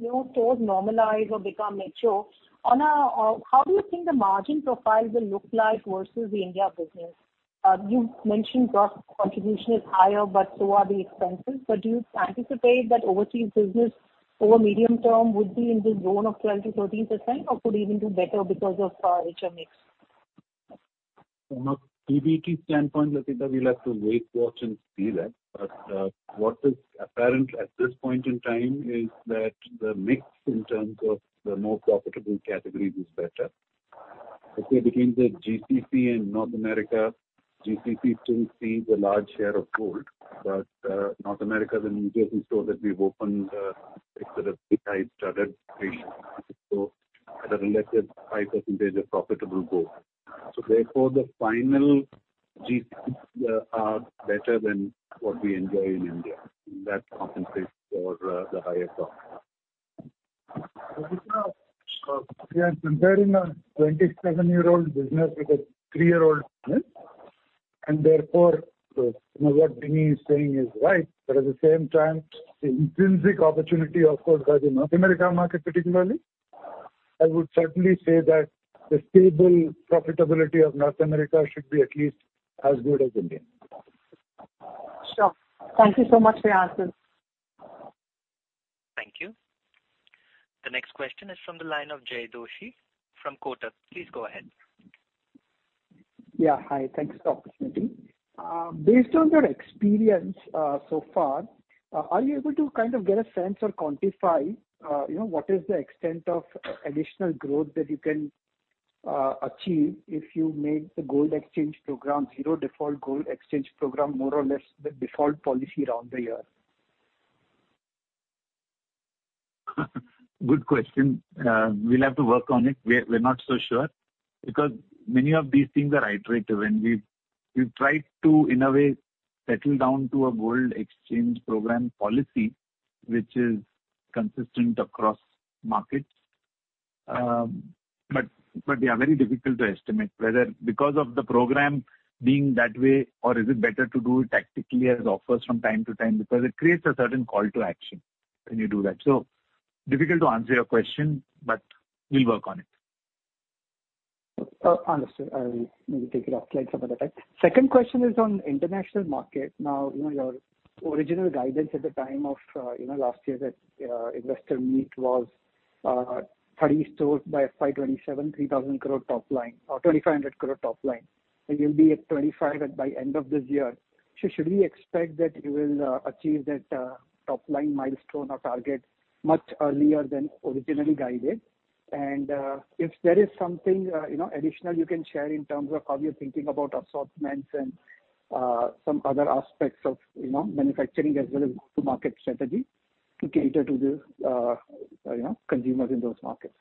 your stores normalize or become mature, how do you think the margin profile will look like versus the India business? You've mentioned gross contribution is higher, but so are the expenses. Do you anticipate that overseas business over medium term would be in the zone of 12%-13%, or could even do better because of richer mix? From a PBT standpoint, Latika, we'll have to wait, watch, and see that. What is apparent at this point in time is that the mix in terms of the more profitable categories is better. Okay, between the GCC and North America, GCC still sees a large share of gold, but North America, the new stores that we've opened, it's sort of high studded ratio. At a relative high percentage of profitable gold. Therefore, the final GPs are better than what we enjoy in India. That compensates for the higher cost. Latika, we are comparing a 27-year-old business with a 3-year-old business, and therefore, what Dheenee is saying is right. At the same time, the intrinsic opportunity, of course, by the North America market particularly, I would certainly say that the stable profitability of North America should be at least as good as India. Sure. Thank you so much for your answers. Thank you. The next question is from the line of Jai Doshi from Kotak. Please go ahead. Yeah, hi. Thanks for the opportunity. Based on your experience, so far, are you able to kind of get a sense or quantify, you know, what is the extent of additional growth that you can achieve if you make the gold exchange program, zero default gold exchange program, more or less the default policy around the year? Good question. We'll have to work on it. We're, we're not so sure, because many of these things are iterative. When we've tried to, in a way, settle down to a gold exchange program policy which is consistent across markets. They are very difficult to estimate, whether because of the program being that way or is it better to do it tactically as offers from time to time, because it creates a certain call to action when you do that. Difficult to answer your question, but we'll work on it. Understood. I will maybe take it offline some other time. Second question is on international market. Now, you know, your original guidance at the time of, you know, last year that investor meet was 30 stores by FY 2027, 3,000 crore top line, or 2,500 crore top line. You'll be at 25 at by end of this year. Should we expect that you will achieve that top line milestone or target much earlier than originally guided? And if there is something, you know, additional you can share in terms of how you're thinking about assortments and some other aspects of, you know, manufacturing as well as go-to-market strategy to cater to the, you know, consumers in those markets.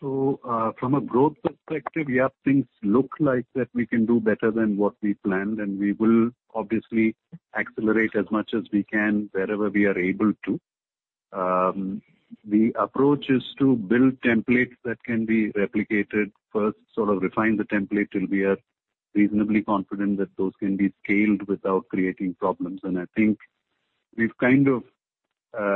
From a growth perspective, yeah, things look like that we can do better than what we planned, and we will obviously accelerate as much as we can, wherever we are able to. The approach is to build templates that can be replicated first, sort of refine the template till we are reasonably confident that those can be scaled without creating problems. I think we've kind of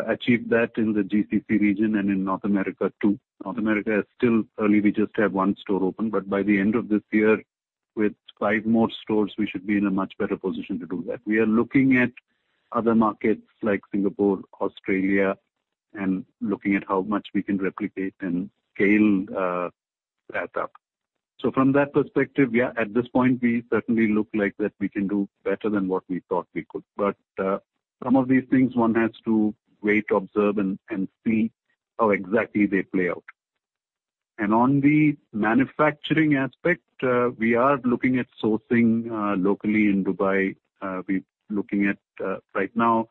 achieved that in the GCC region and in North America, too. North America is still early. We just have one store open, but by the end of this year-... with five more stores, we should be in a much better position to do that. We are looking at other markets like Singapore, Australia, and looking at how much we can replicate and scale that up. From that perspective, yeah, at this point, we certainly look like that we can do better than what we thought we could. Some of these things, one has to wait, observe, and, and see how exactly they play out. On the manufacturing aspect, we are looking at sourcing locally in Dubai. We're looking at right now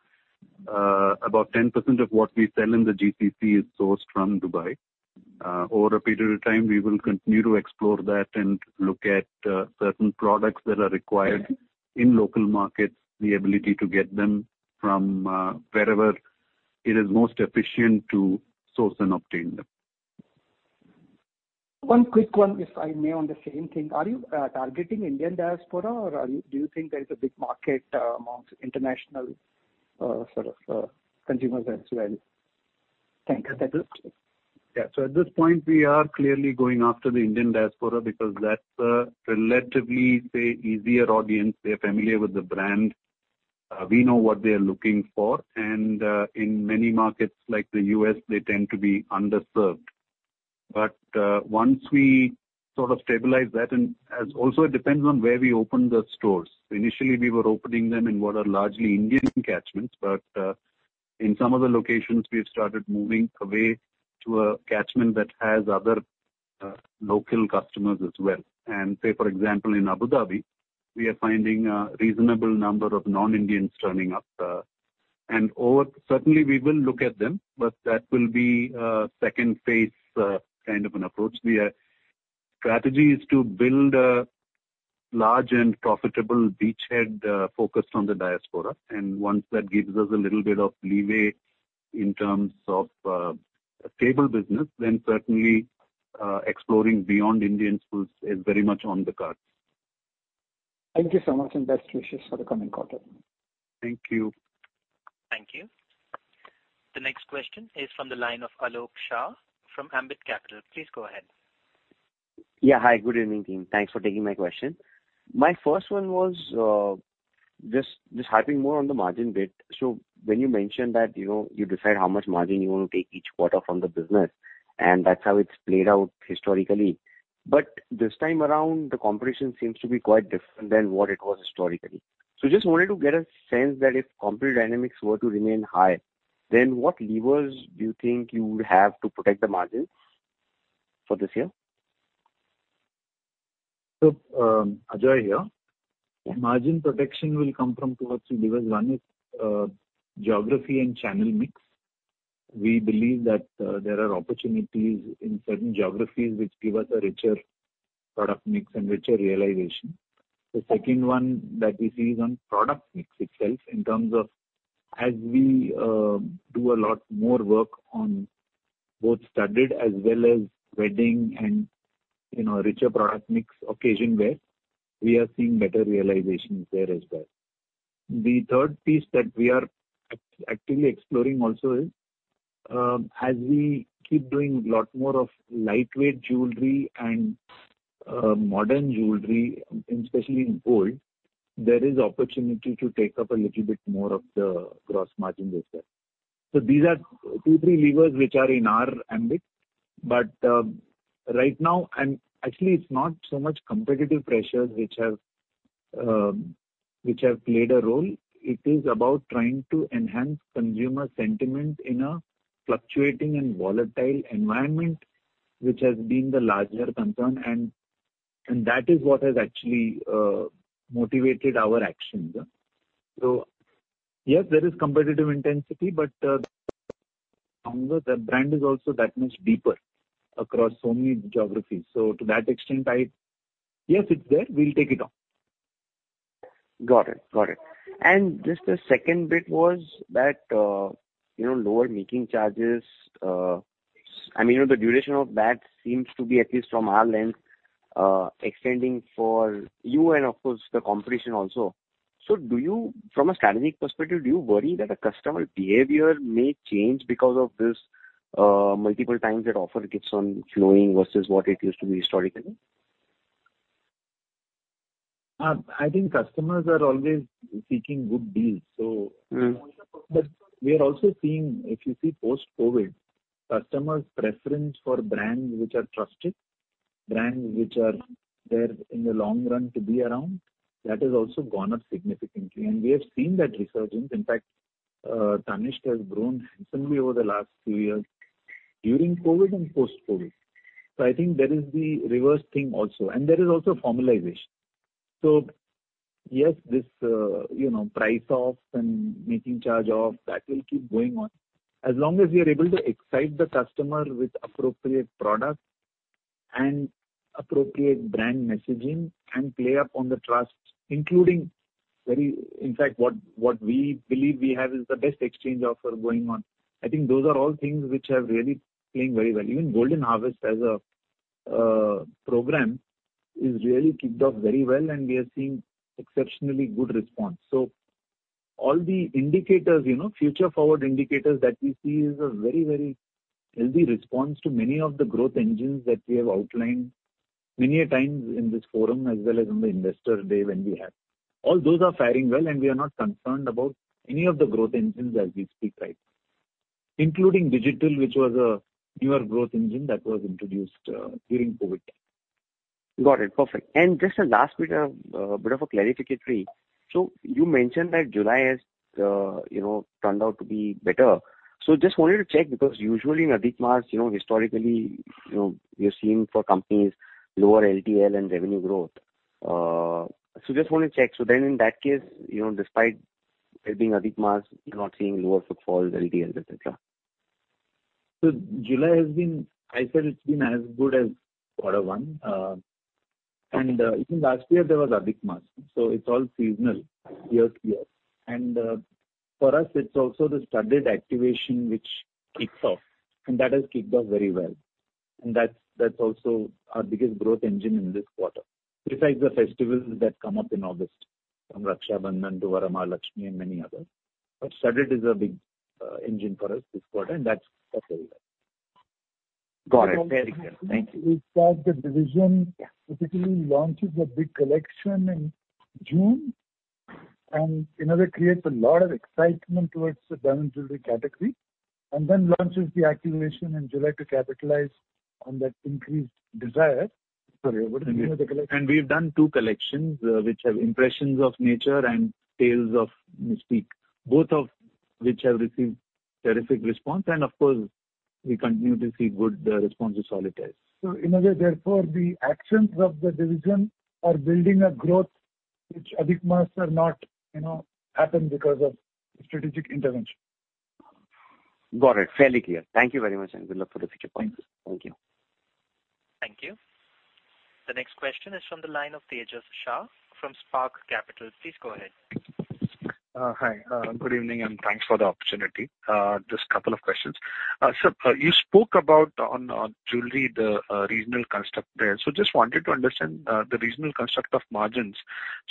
about 10% of what we sell in the GCC is sourced from Dubai. Over a period of time, we will continue to explore that and look at certain products that are required in local markets, the ability to get them from wherever it is most efficient to source and obtain them. One quick one, if I may, on the same thing. Are you targeting Indian diaspora, or do you think there is a big market amongst international sort of consumers as well? Thank you. Yeah. At this point, we are clearly going after the Indian diaspora because that's a relatively, say, easier audience. They're familiar with the brand, we know what they are looking for, and in many markets like the U.S., they tend to be underserved. Once we sort of stabilize that, and as also it depends on where we open the stores. Initially, we were opening them in what are largely Indian catchments, but in some of the locations, we've started moving away to a catchment that has other local customers as well. Say, for example, in Abu Dhabi, we are finding a reasonable number of non-Indians turning up. Certainly, we will look at them, but that will be a second phase kind of an approach. The strategy is to build a large and profitable beachhead, focused on the diaspora, and once that gives us a little bit of leeway in terms of a stable business, then certainly, exploring beyond Indian shores is very much on the cards. Thank you so much, and best wishes for the coming quarter. Thank you. Thank you. The next question is from the line of Alok Shah from Ambit Capital. Please go ahead. Yeah, hi, good evening, team. Thanks for taking my question. My first one was, just, just harping more on the margin bit. When you mentioned that, you know, you decide how much margin you want to take each quarter from the business, and that's how it's played out historically. This time around, the competition seems to be quite different than what it was historically. Just wanted to get a sense that if competitive dynamics were to remain high, then what levers do you think you would have to protect the margins for this year? Ajoy here. Margin protection will come from two or three levers. One is, geography and channel mix. We believe that, there are opportunities in certain geographies which give us a richer product mix and richer realization. The second one that we see is on product mix itself, in terms of as we, do a lot more work on both studded as well as wedding and, you know, richer product mix occasion wear, we are seeing better realizations there as well. The third piece that we are actively exploring also is, as we keep doing a lot more of lightweight jewelry and, modern jewelry, especially in gold, there is opportunity to take up a little bit more of the gross margin as well. These are two, three levers which are in our ambit, but right now, and actually, it's not so much competitive pressures which have which have played a role. It is about trying to enhance consumer sentiment in a fluctuating and volatile environment, which has been the larger concern, and that is what has actually motivated our actions. Yes, there is competitive intensity, but the brand is also that much deeper across so many geographies. To that extent, I... Yes, it's there. We'll take it on. Got it. Got it. Just the second bit was that, you know, lower making charges, I mean, the duration of that seems to be, at least from our lens, extending for you and, of course, the competition also. Do you, from a strategic perspective, do you worry that the customer behavior may change because of this, multiple times that offer keeps on flowing versus what it used to be historically? I think customers are always seeking good deals, so. We are also seeing, if you see post-COVID, customers' preference for brands which are trusted, brands which are there in the long run to be around, that has also gone up significantly, and we have seen that resurgence. In fact, Tanishq has grown significantly over the last few years, during COVID and post-COVID. I think there is the reverse thing also, and there is also formalization. Yes, this, you know, price off and making charge off, that will keep going on. As long as we are able to excite the customer with appropriate product and appropriate brand messaging and play up on the trust, including very... In fact, what, what we believe we have is the best exchange offer going on. I think those are all things which are really playing very well. Even Golden Harvest as a program, is really kicked off very well, and we are seeing exceptionally good response. All the indicators, you know, future forward indicators that we see is a very, very healthy response to many of the growth engines that we have outlined many a times in this forum, as well as in the investor day when we had. All those are faring well, and we are not concerned about any of the growth engines as we speak, right, including digital, which was a newer growth engine that was introduced during COVID. Got it. Perfect. Just a last bit of, bit of a clarificatory. You mentioned that July has, you know, turned out to be better. Just wanted to check, because usually in Adhik Maas, you know, historically, you know, we've seen for companies lower LTL and revenue growth. Just want to check. Then in that case, you know, despite there being Adhik Maas, you're not seeing lower footfalls, LTLs, et cetera? July has been-- I said it's been as good as quarter one. Even last year there was Adhik Maas, so it's all seasonal year-to-year. For us, it's also the studied activation which kicks off, and that has kicked off very well. That's, that's also our biggest growth engine in this quarter, besides the festivals that come up in August, from Raksha Bandhan to Varamahalakshmi and many others. Studied is a big engine for us this quarter, and that's also there. Got it. Very clear. Thank you. We thought the division particularly launches a big collection in June, and in other creates a lot of excitement towards the diamond jewelry category, and then launches the activation in July to capitalize on that increased desire. Sorry, what is the other collection? We've done two collections, which have impressions of nature and Tales of Mystique, both of which have received terrific response, and of course, we continue to see good response to solitaires. In a way, therefore, the actions of the division are building a growth which Adhik Maas are not, you know, happen because of strategic intervention. Got it. Fairly clear. Thank you very much, and good luck for the future points. Thank you. Thank you. The next question is from the line of Tejas Shah from Spark Capital. Please go ahead. Hi. Good evening, and thanks for the opportunity. Just a couple of questions. You spoke about on, on Jewelry, the regional construct there. Just wanted to understand the regional construct of margins.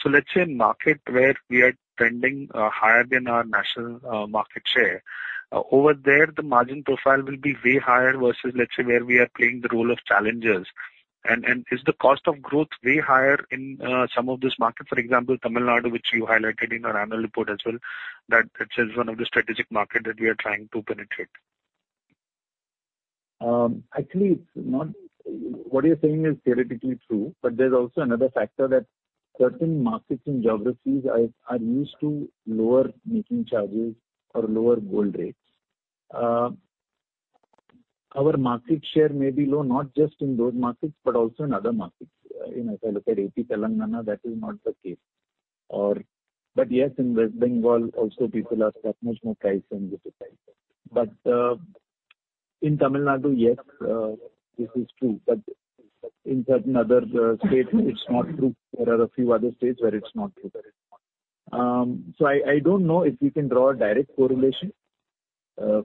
Let's say a market where we are trending higher than our national market share. Over there, the margin profile will be way higher versus, let's say, where we are playing the role of challengers. Is the cost of growth way higher in some of this market? For example, Tamil Nadu, which you highlighted in our annual report as well, that it is one of the strategic market that we are trying to penetrate. Actually, it's not. What you're saying is theoretically true, but there's also another factor that certain markets and geographies are, are used to lower making charges or lower gold rates. Our market share may be low, not just in those markets, but also in other markets. As I look at AP, Telangana, that is not the case. Yes, in West Bengal also, people ask that much more price than this. In Tamil Nadu, yes, this is true, but in certain other states, it's not true. There are a few other states where it's not true. I don't know if we can draw a direct correlation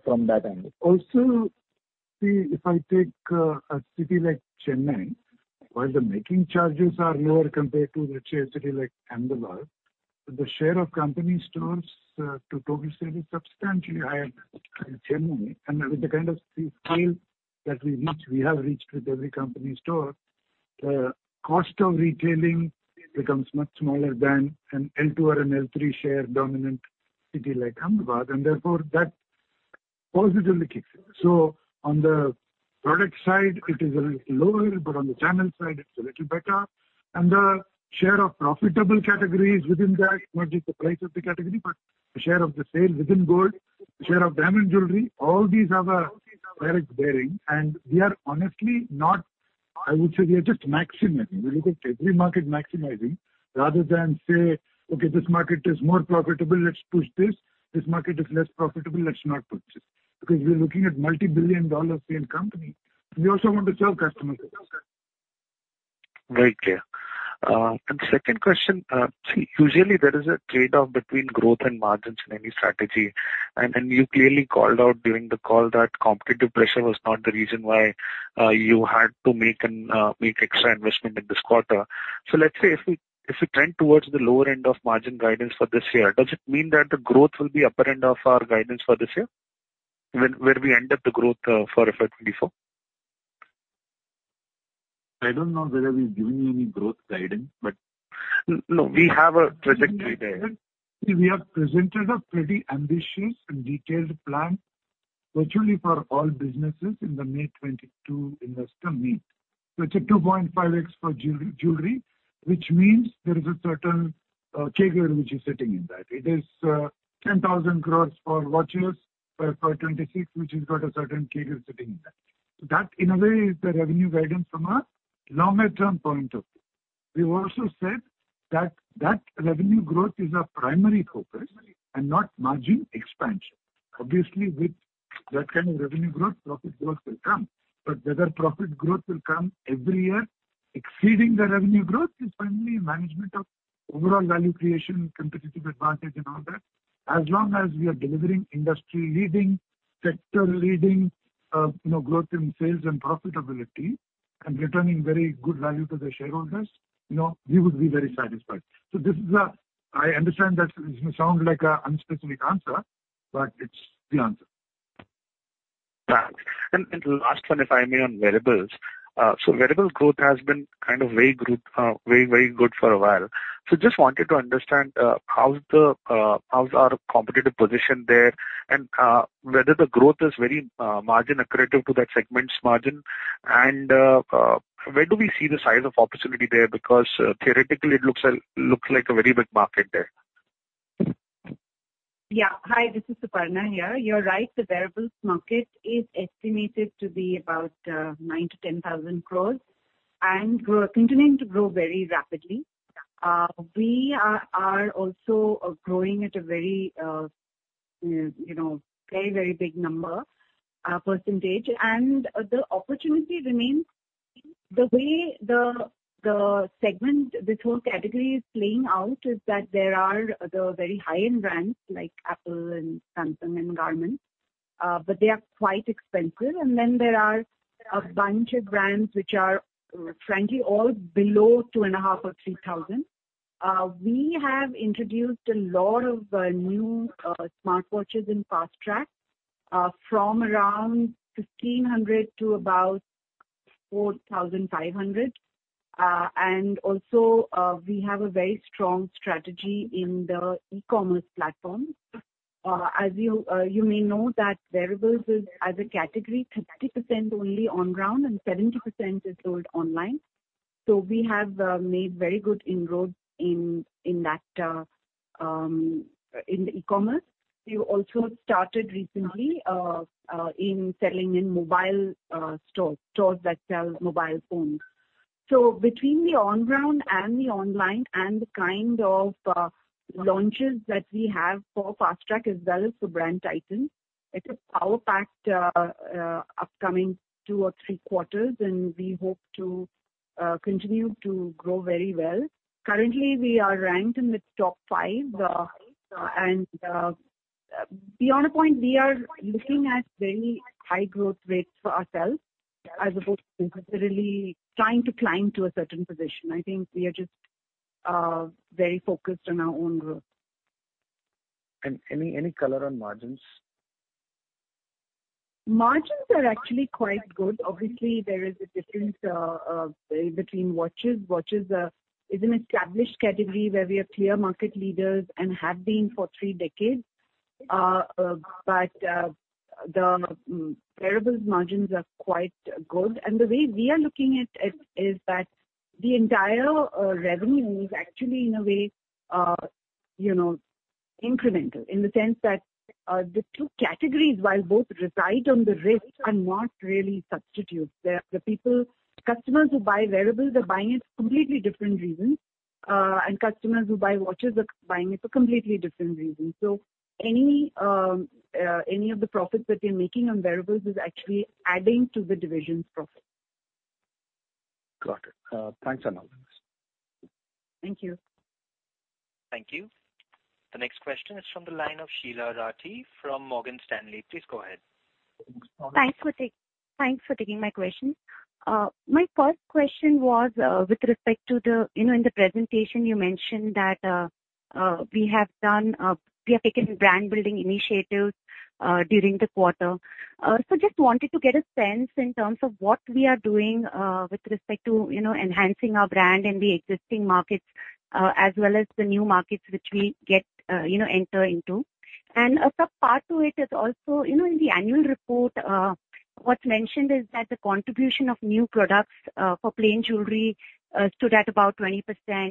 from that angle. Also, see, if I take, a city like Chennai, where the making charges are lower compared to the city like Ahmedabad, the share of company stores, to total sales is substantially higher in Chennai. With the kind of scale that we reach, we have reached with every company store, the cost of retailing becomes much smaller than an L2 or an L3 share dominant city like Ahmedabad, and therefore that positively kicks in. On the product side, it is a little lower, but on the channel side, it's a little better. The share of profitable categories within that, not just the price of the category, but the share of the sales within gold, the share of diamond jewelry, all these have a direct bearing, and we are honestly not, I would say we are just maximizing. We look at every market maximizing rather than say, "Okay, this market is more profitable, let's push this. This market is less profitable, let's not push this." Because we are looking at multi-billion dollar scale company, we also want to serve customers. Very clear. Second question, see, usually there is a trade-off between growth and margins in any strategy. And you clearly called out during the call that competitive pressure was not the reason why you had to make an make extra investment in this quarter. Let's say if we, if we trend towards the lower end of margin guidance for this year, does it mean that the growth will be upper end of our guidance for this year, where, where we end up the growth for FY 2024? I don't know whether we've given you any growth guidance, but- No, we have a trajectory there. We have presented a pretty ambitious and detailed plan virtually for all businesses in the May 2022 investor meet. It's a 2.5x for Jewelry, which means there is a certain CAGR which is sitting in that. It is 10,000 crore for watches for 2026, which has got a certain CAGR sitting in that. That, in a way, is the revenue guidance from a longer-term point of view. We've also said that, that revenue growth is our primary focus and not margin expansion. Obviously, with that kind of revenue growth, profit growth will come, but whether profit growth will come every year, exceeding the revenue growth is finally management of overall value creation, competitive advantage and all that. As long as we are delivering industry-leading, sector-leading, you know, growth in sales and profitability. Returning very good value to the shareholders, you know, we would be very satisfied. I understand that this may sound like a unspecific answer, but it's the answer. Thanks. The last one, if I may, on Wearables. Wearables growth has been kind of very good, very, very good for a while. Just wanted to understand, how's the, how's our competitive position there, and whether the growth is very margin accretive to that segment's margin. Where do we see the size of opportunity there? Because theoretically, it looks like a very big market there. Yeah. Hi, this is Suparna here. You're right, the Wearables market is estimated to be about 9,000- 10,000 crore, continuing to grow very rapidly. We are also, you know, growing at a very, very big number, percentage. The opportunity remains. The way the segment, this whole category is playing out, is that there are the very high-end brands like Apple, and Samsung, and Garmin, but they are quite expensive. Then there are a bunch of brands which are frankly, all below 2,500 or 3,000. We have introduced a lot of new smartwatches in Fastrack, from around 1,500- 4,500. Also, we have a very strong strategy in the e-commerce platform. As you, you may know that Wearables is, as a category, 30% only on ground and 70% is sold online. We have made very good inroads in, in that, in the e-commerce. We also started recently, in selling in mobile, stores. Stores that sell mobile phones. Between the on-ground and the online, and the kind of, launches that we have for Fastrack as well as for Brand Titan, it's a power-packed, upcoming two or three quarters, and we hope to continue to grow very well. Currently, we are ranked in the top five, and beyond a point, we are looking at very high growth rates for ourselves as opposed to really trying to climb to a certain position. I think we are just very focused on our own growth. Any, any color on margins? Margins are actually quite good. Obviously, there is a difference between watches. Watches is an established category where we are clear market leaders and have been for three decades. The Wearables margins are quite good. The way we are looking at it, is that the entire revenue is actually, in a way, you know, incremental. In the sense that the two categories, while both reside on the wrist, are not really substitutes. Customers who buy Wearables are buying it for completely different reasons, and customers who buy watches are buying it for completely different reasons. Any of the profits that we're making on Wearables is actually adding to the division's profit. Got it. Thanks a lot. Thank you. Thank you. The next question is from the line of Sheela Rathi from Morgan Stanley. Please go ahead. Thanks for take- thanks for taking my question. My first question was, with respect to the... You know, in the presentation, you mentioned that we have done, we have taken brand building initiatives during the quarter. Just wanted to get a sense in terms of what we are doing, with respect to, you know, enhancing our brand in the existing markets, as well as the new markets which we get, you know, enter into. A sub part to it is also, you know, in the annual report, what's mentioned is that the contribution of new products for plain jewelry stood at about 20%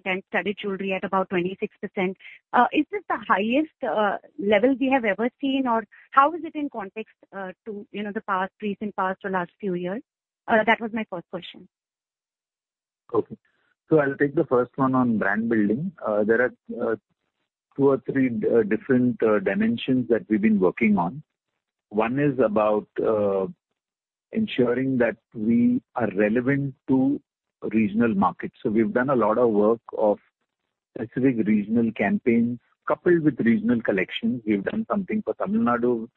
and studded jewelry at about 26%. Is this the highest level we have ever seen, or how is it in context to, you know, the past, recent past or last few years? That was my first question. Okay. I'll take the first one on brand building. There are two or three different dimensions that we've been working on. One is about ensuring that we are relevant to regional markets. We've done a lot of work of specific regional campaigns, coupled with regional collections. We've done something for Tamil Nadu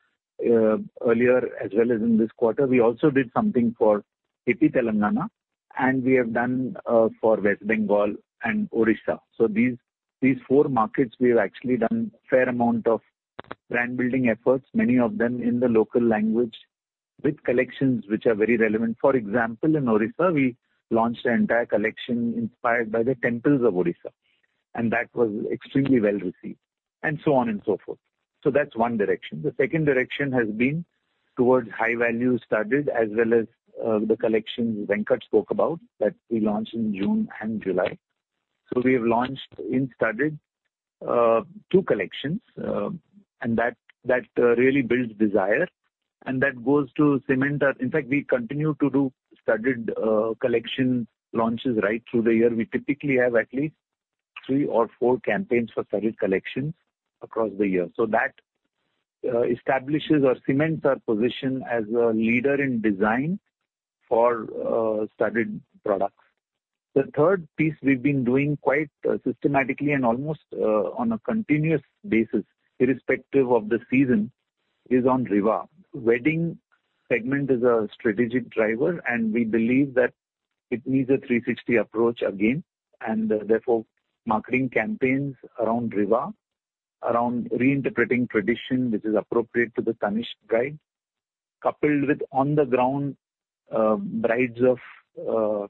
earlier, as well as in this quarter. We also did something for AP Telangana, and we have done for West Bengal and Odisha. These, these four markets, we have actually done a fair amount of brand building efforts, many of them in the local language, with collections which are very relevant. For example, in Odisha, we launched an entire collection inspired by the temples of Odisha, and that was extremely well-received, and so on and so forth. That's one direction. The second direction has been towards high-value studded, as well as the collections Venkat spoke about, that we launched in June and July. We have launched, in studded, two collections, and that, that really builds desire, and that goes to cement our... In fact, we continue to do studded collection launches right through the year. We typically have at least three or four campaigns for studded collections across the year. That establishes or cements our position as a leader in design for studded products. The third piece we've been doing quite systematically and almost on a continuous basis, irrespective of the season, is on Rivaah. Wedding segment is a strategic driver, and we believe that it needs a 360 approach again, and therefore, marketing campaigns around Rivaah, around reinterpreting tradition, which is appropriate to the Tanishq bride, coupled with on the ground, brides of,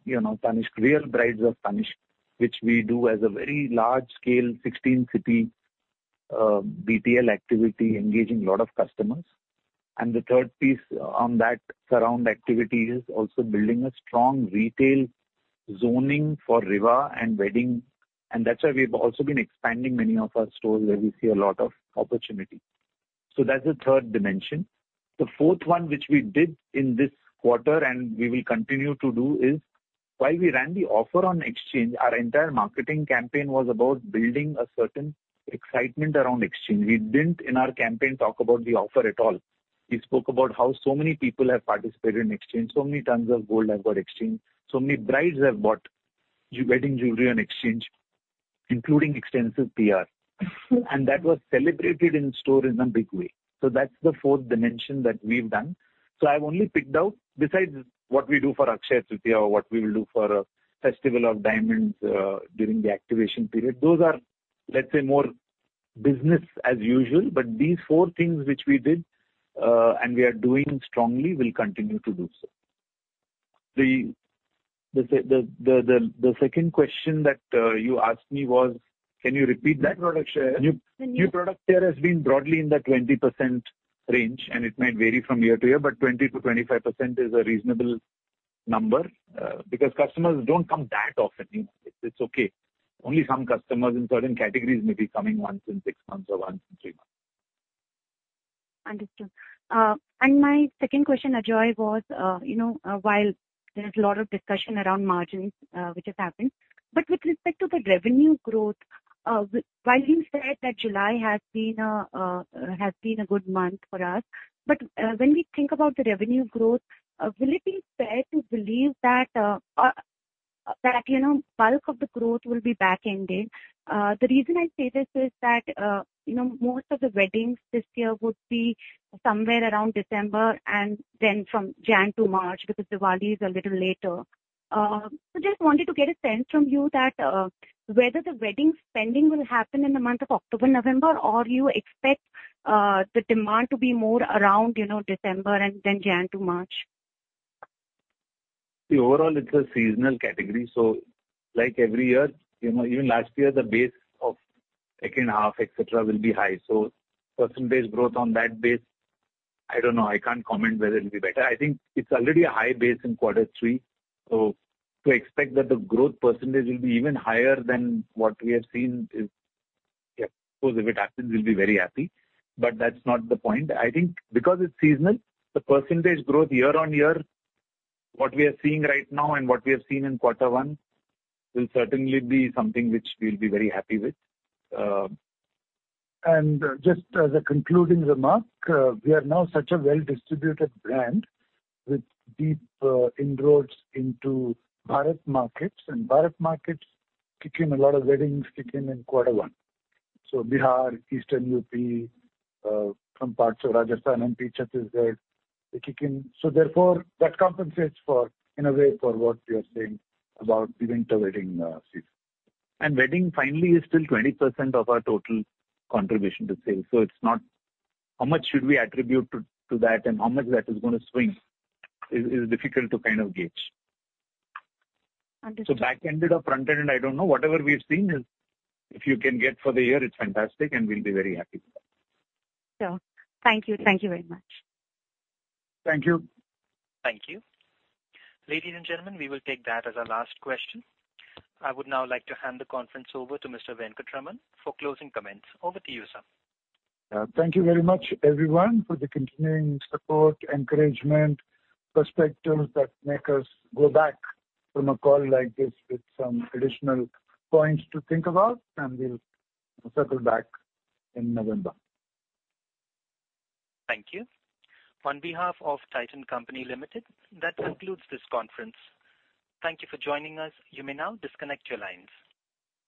you know, Tanishq, real brides of Tanishq, which we do as a very large scale, 16 city, BTL activity, engaging a lot of customers. The third piece on that surround activity is also building a strong retail zoning for Rivaah and wedding, and that's why we've also been expanding many of our stores where we see a lot of opportunity. So that's the third dimension. The fourth one, which we did in this quarter and we will continue to do, is while we ran the offer on exchange, our entire marketing campaign was about building a certain excitement around exchange. We didn't, in our campaign, talk about the offer at all. We spoke about how so many people have participated in exchange, so many tons of gold have got exchanged, so many brides have bought wedding jewelry on exchange, including extensive PR. That was celebrated in store in a big way. That's the fourth dimension that we've done. I've only picked out, besides what we do for Akshaya Tritiya or what we will do for Festival of Diamonds during the activation period. Those are, let's say, more business as usual, these four things which we did and we are doing strongly, we'll continue to do so. The second question that you asked me was... Can you repeat that? New product share. New, new product share has been broadly in the 20% range. It might vary from year to year, 20%-25% is a reasonable number, because customers don't come that often. It's, it's okay. Only some customers in certain categories may be coming once in six months or once in three months. Understood. My second question, Ajoy, was, you know, while there's a lot of discussion around margins, which has happened, but with respect to the revenue growth, while you said that July has been a good month for us, but when we think about the revenue growth, will it be fair to believe that, you know, bulk of the growth will be back-ended? The reason I say this is that, you know, most of the weddings this year would be somewhere around December and then from January to March, because Diwali is a little later. Just wanted to get a sense from you that whether the wedding spending will happen in the month of October, November, or you expect the demand to be more around, you know, December and then Jan to March? The overall, it's a seasonal category, so like every year, you know, even last year, the base of second half, et cetera, will be high. Percentage growth on that base, I don't know. I can't comment whether it'll be better. I think it's already a high base in quarter three, so to expect that the growth % will be even higher than what we have seen is, yeah, of course, if it happens, we'll be very happy, but that's not the point. I think because it's seasonal, the % growth year-on-year, what we are seeing right now and what we have seen in quarter one, will certainly be something which we'll be very happy with. Just as a concluding remark, we are now such a well-distributed brand with deep inroads into Bharat markets, and Bharat markets kick in a lot of weddings kick in, in quarter one. Bihar, Eastern U.P., some parts of Rajasthan and Chhattisgarh, they kick in. Therefore, that compensates for, in a way, for what you are saying about the winter wedding season. Wedding finally is still 20% of our total contribution to sales, so it's not how much should we attribute to that and how much that is gonna swing is difficult to kind of gauge. Understood. Back-ended or front-ended, I don't know. Whatever we are seeing is, if you can get for the year, it's fantastic, and we'll be very happy with that. Sure. Thank you. Thank you very much. Thank you. Thank you. Ladies and gentlemen, we will take that as our last question. I would now like to hand the conference over to Mr. Venkataraman for closing comments. Over to you, sir. Thank you very much, everyone, for the continuing support, encouragement, perspectives that make us go back from a call like this with some additional points to think about, and we'll circle back in November. Thank you. On behalf of Titan Company Limited, that concludes this conference. Thank you for joining us. You may now disconnect your lines.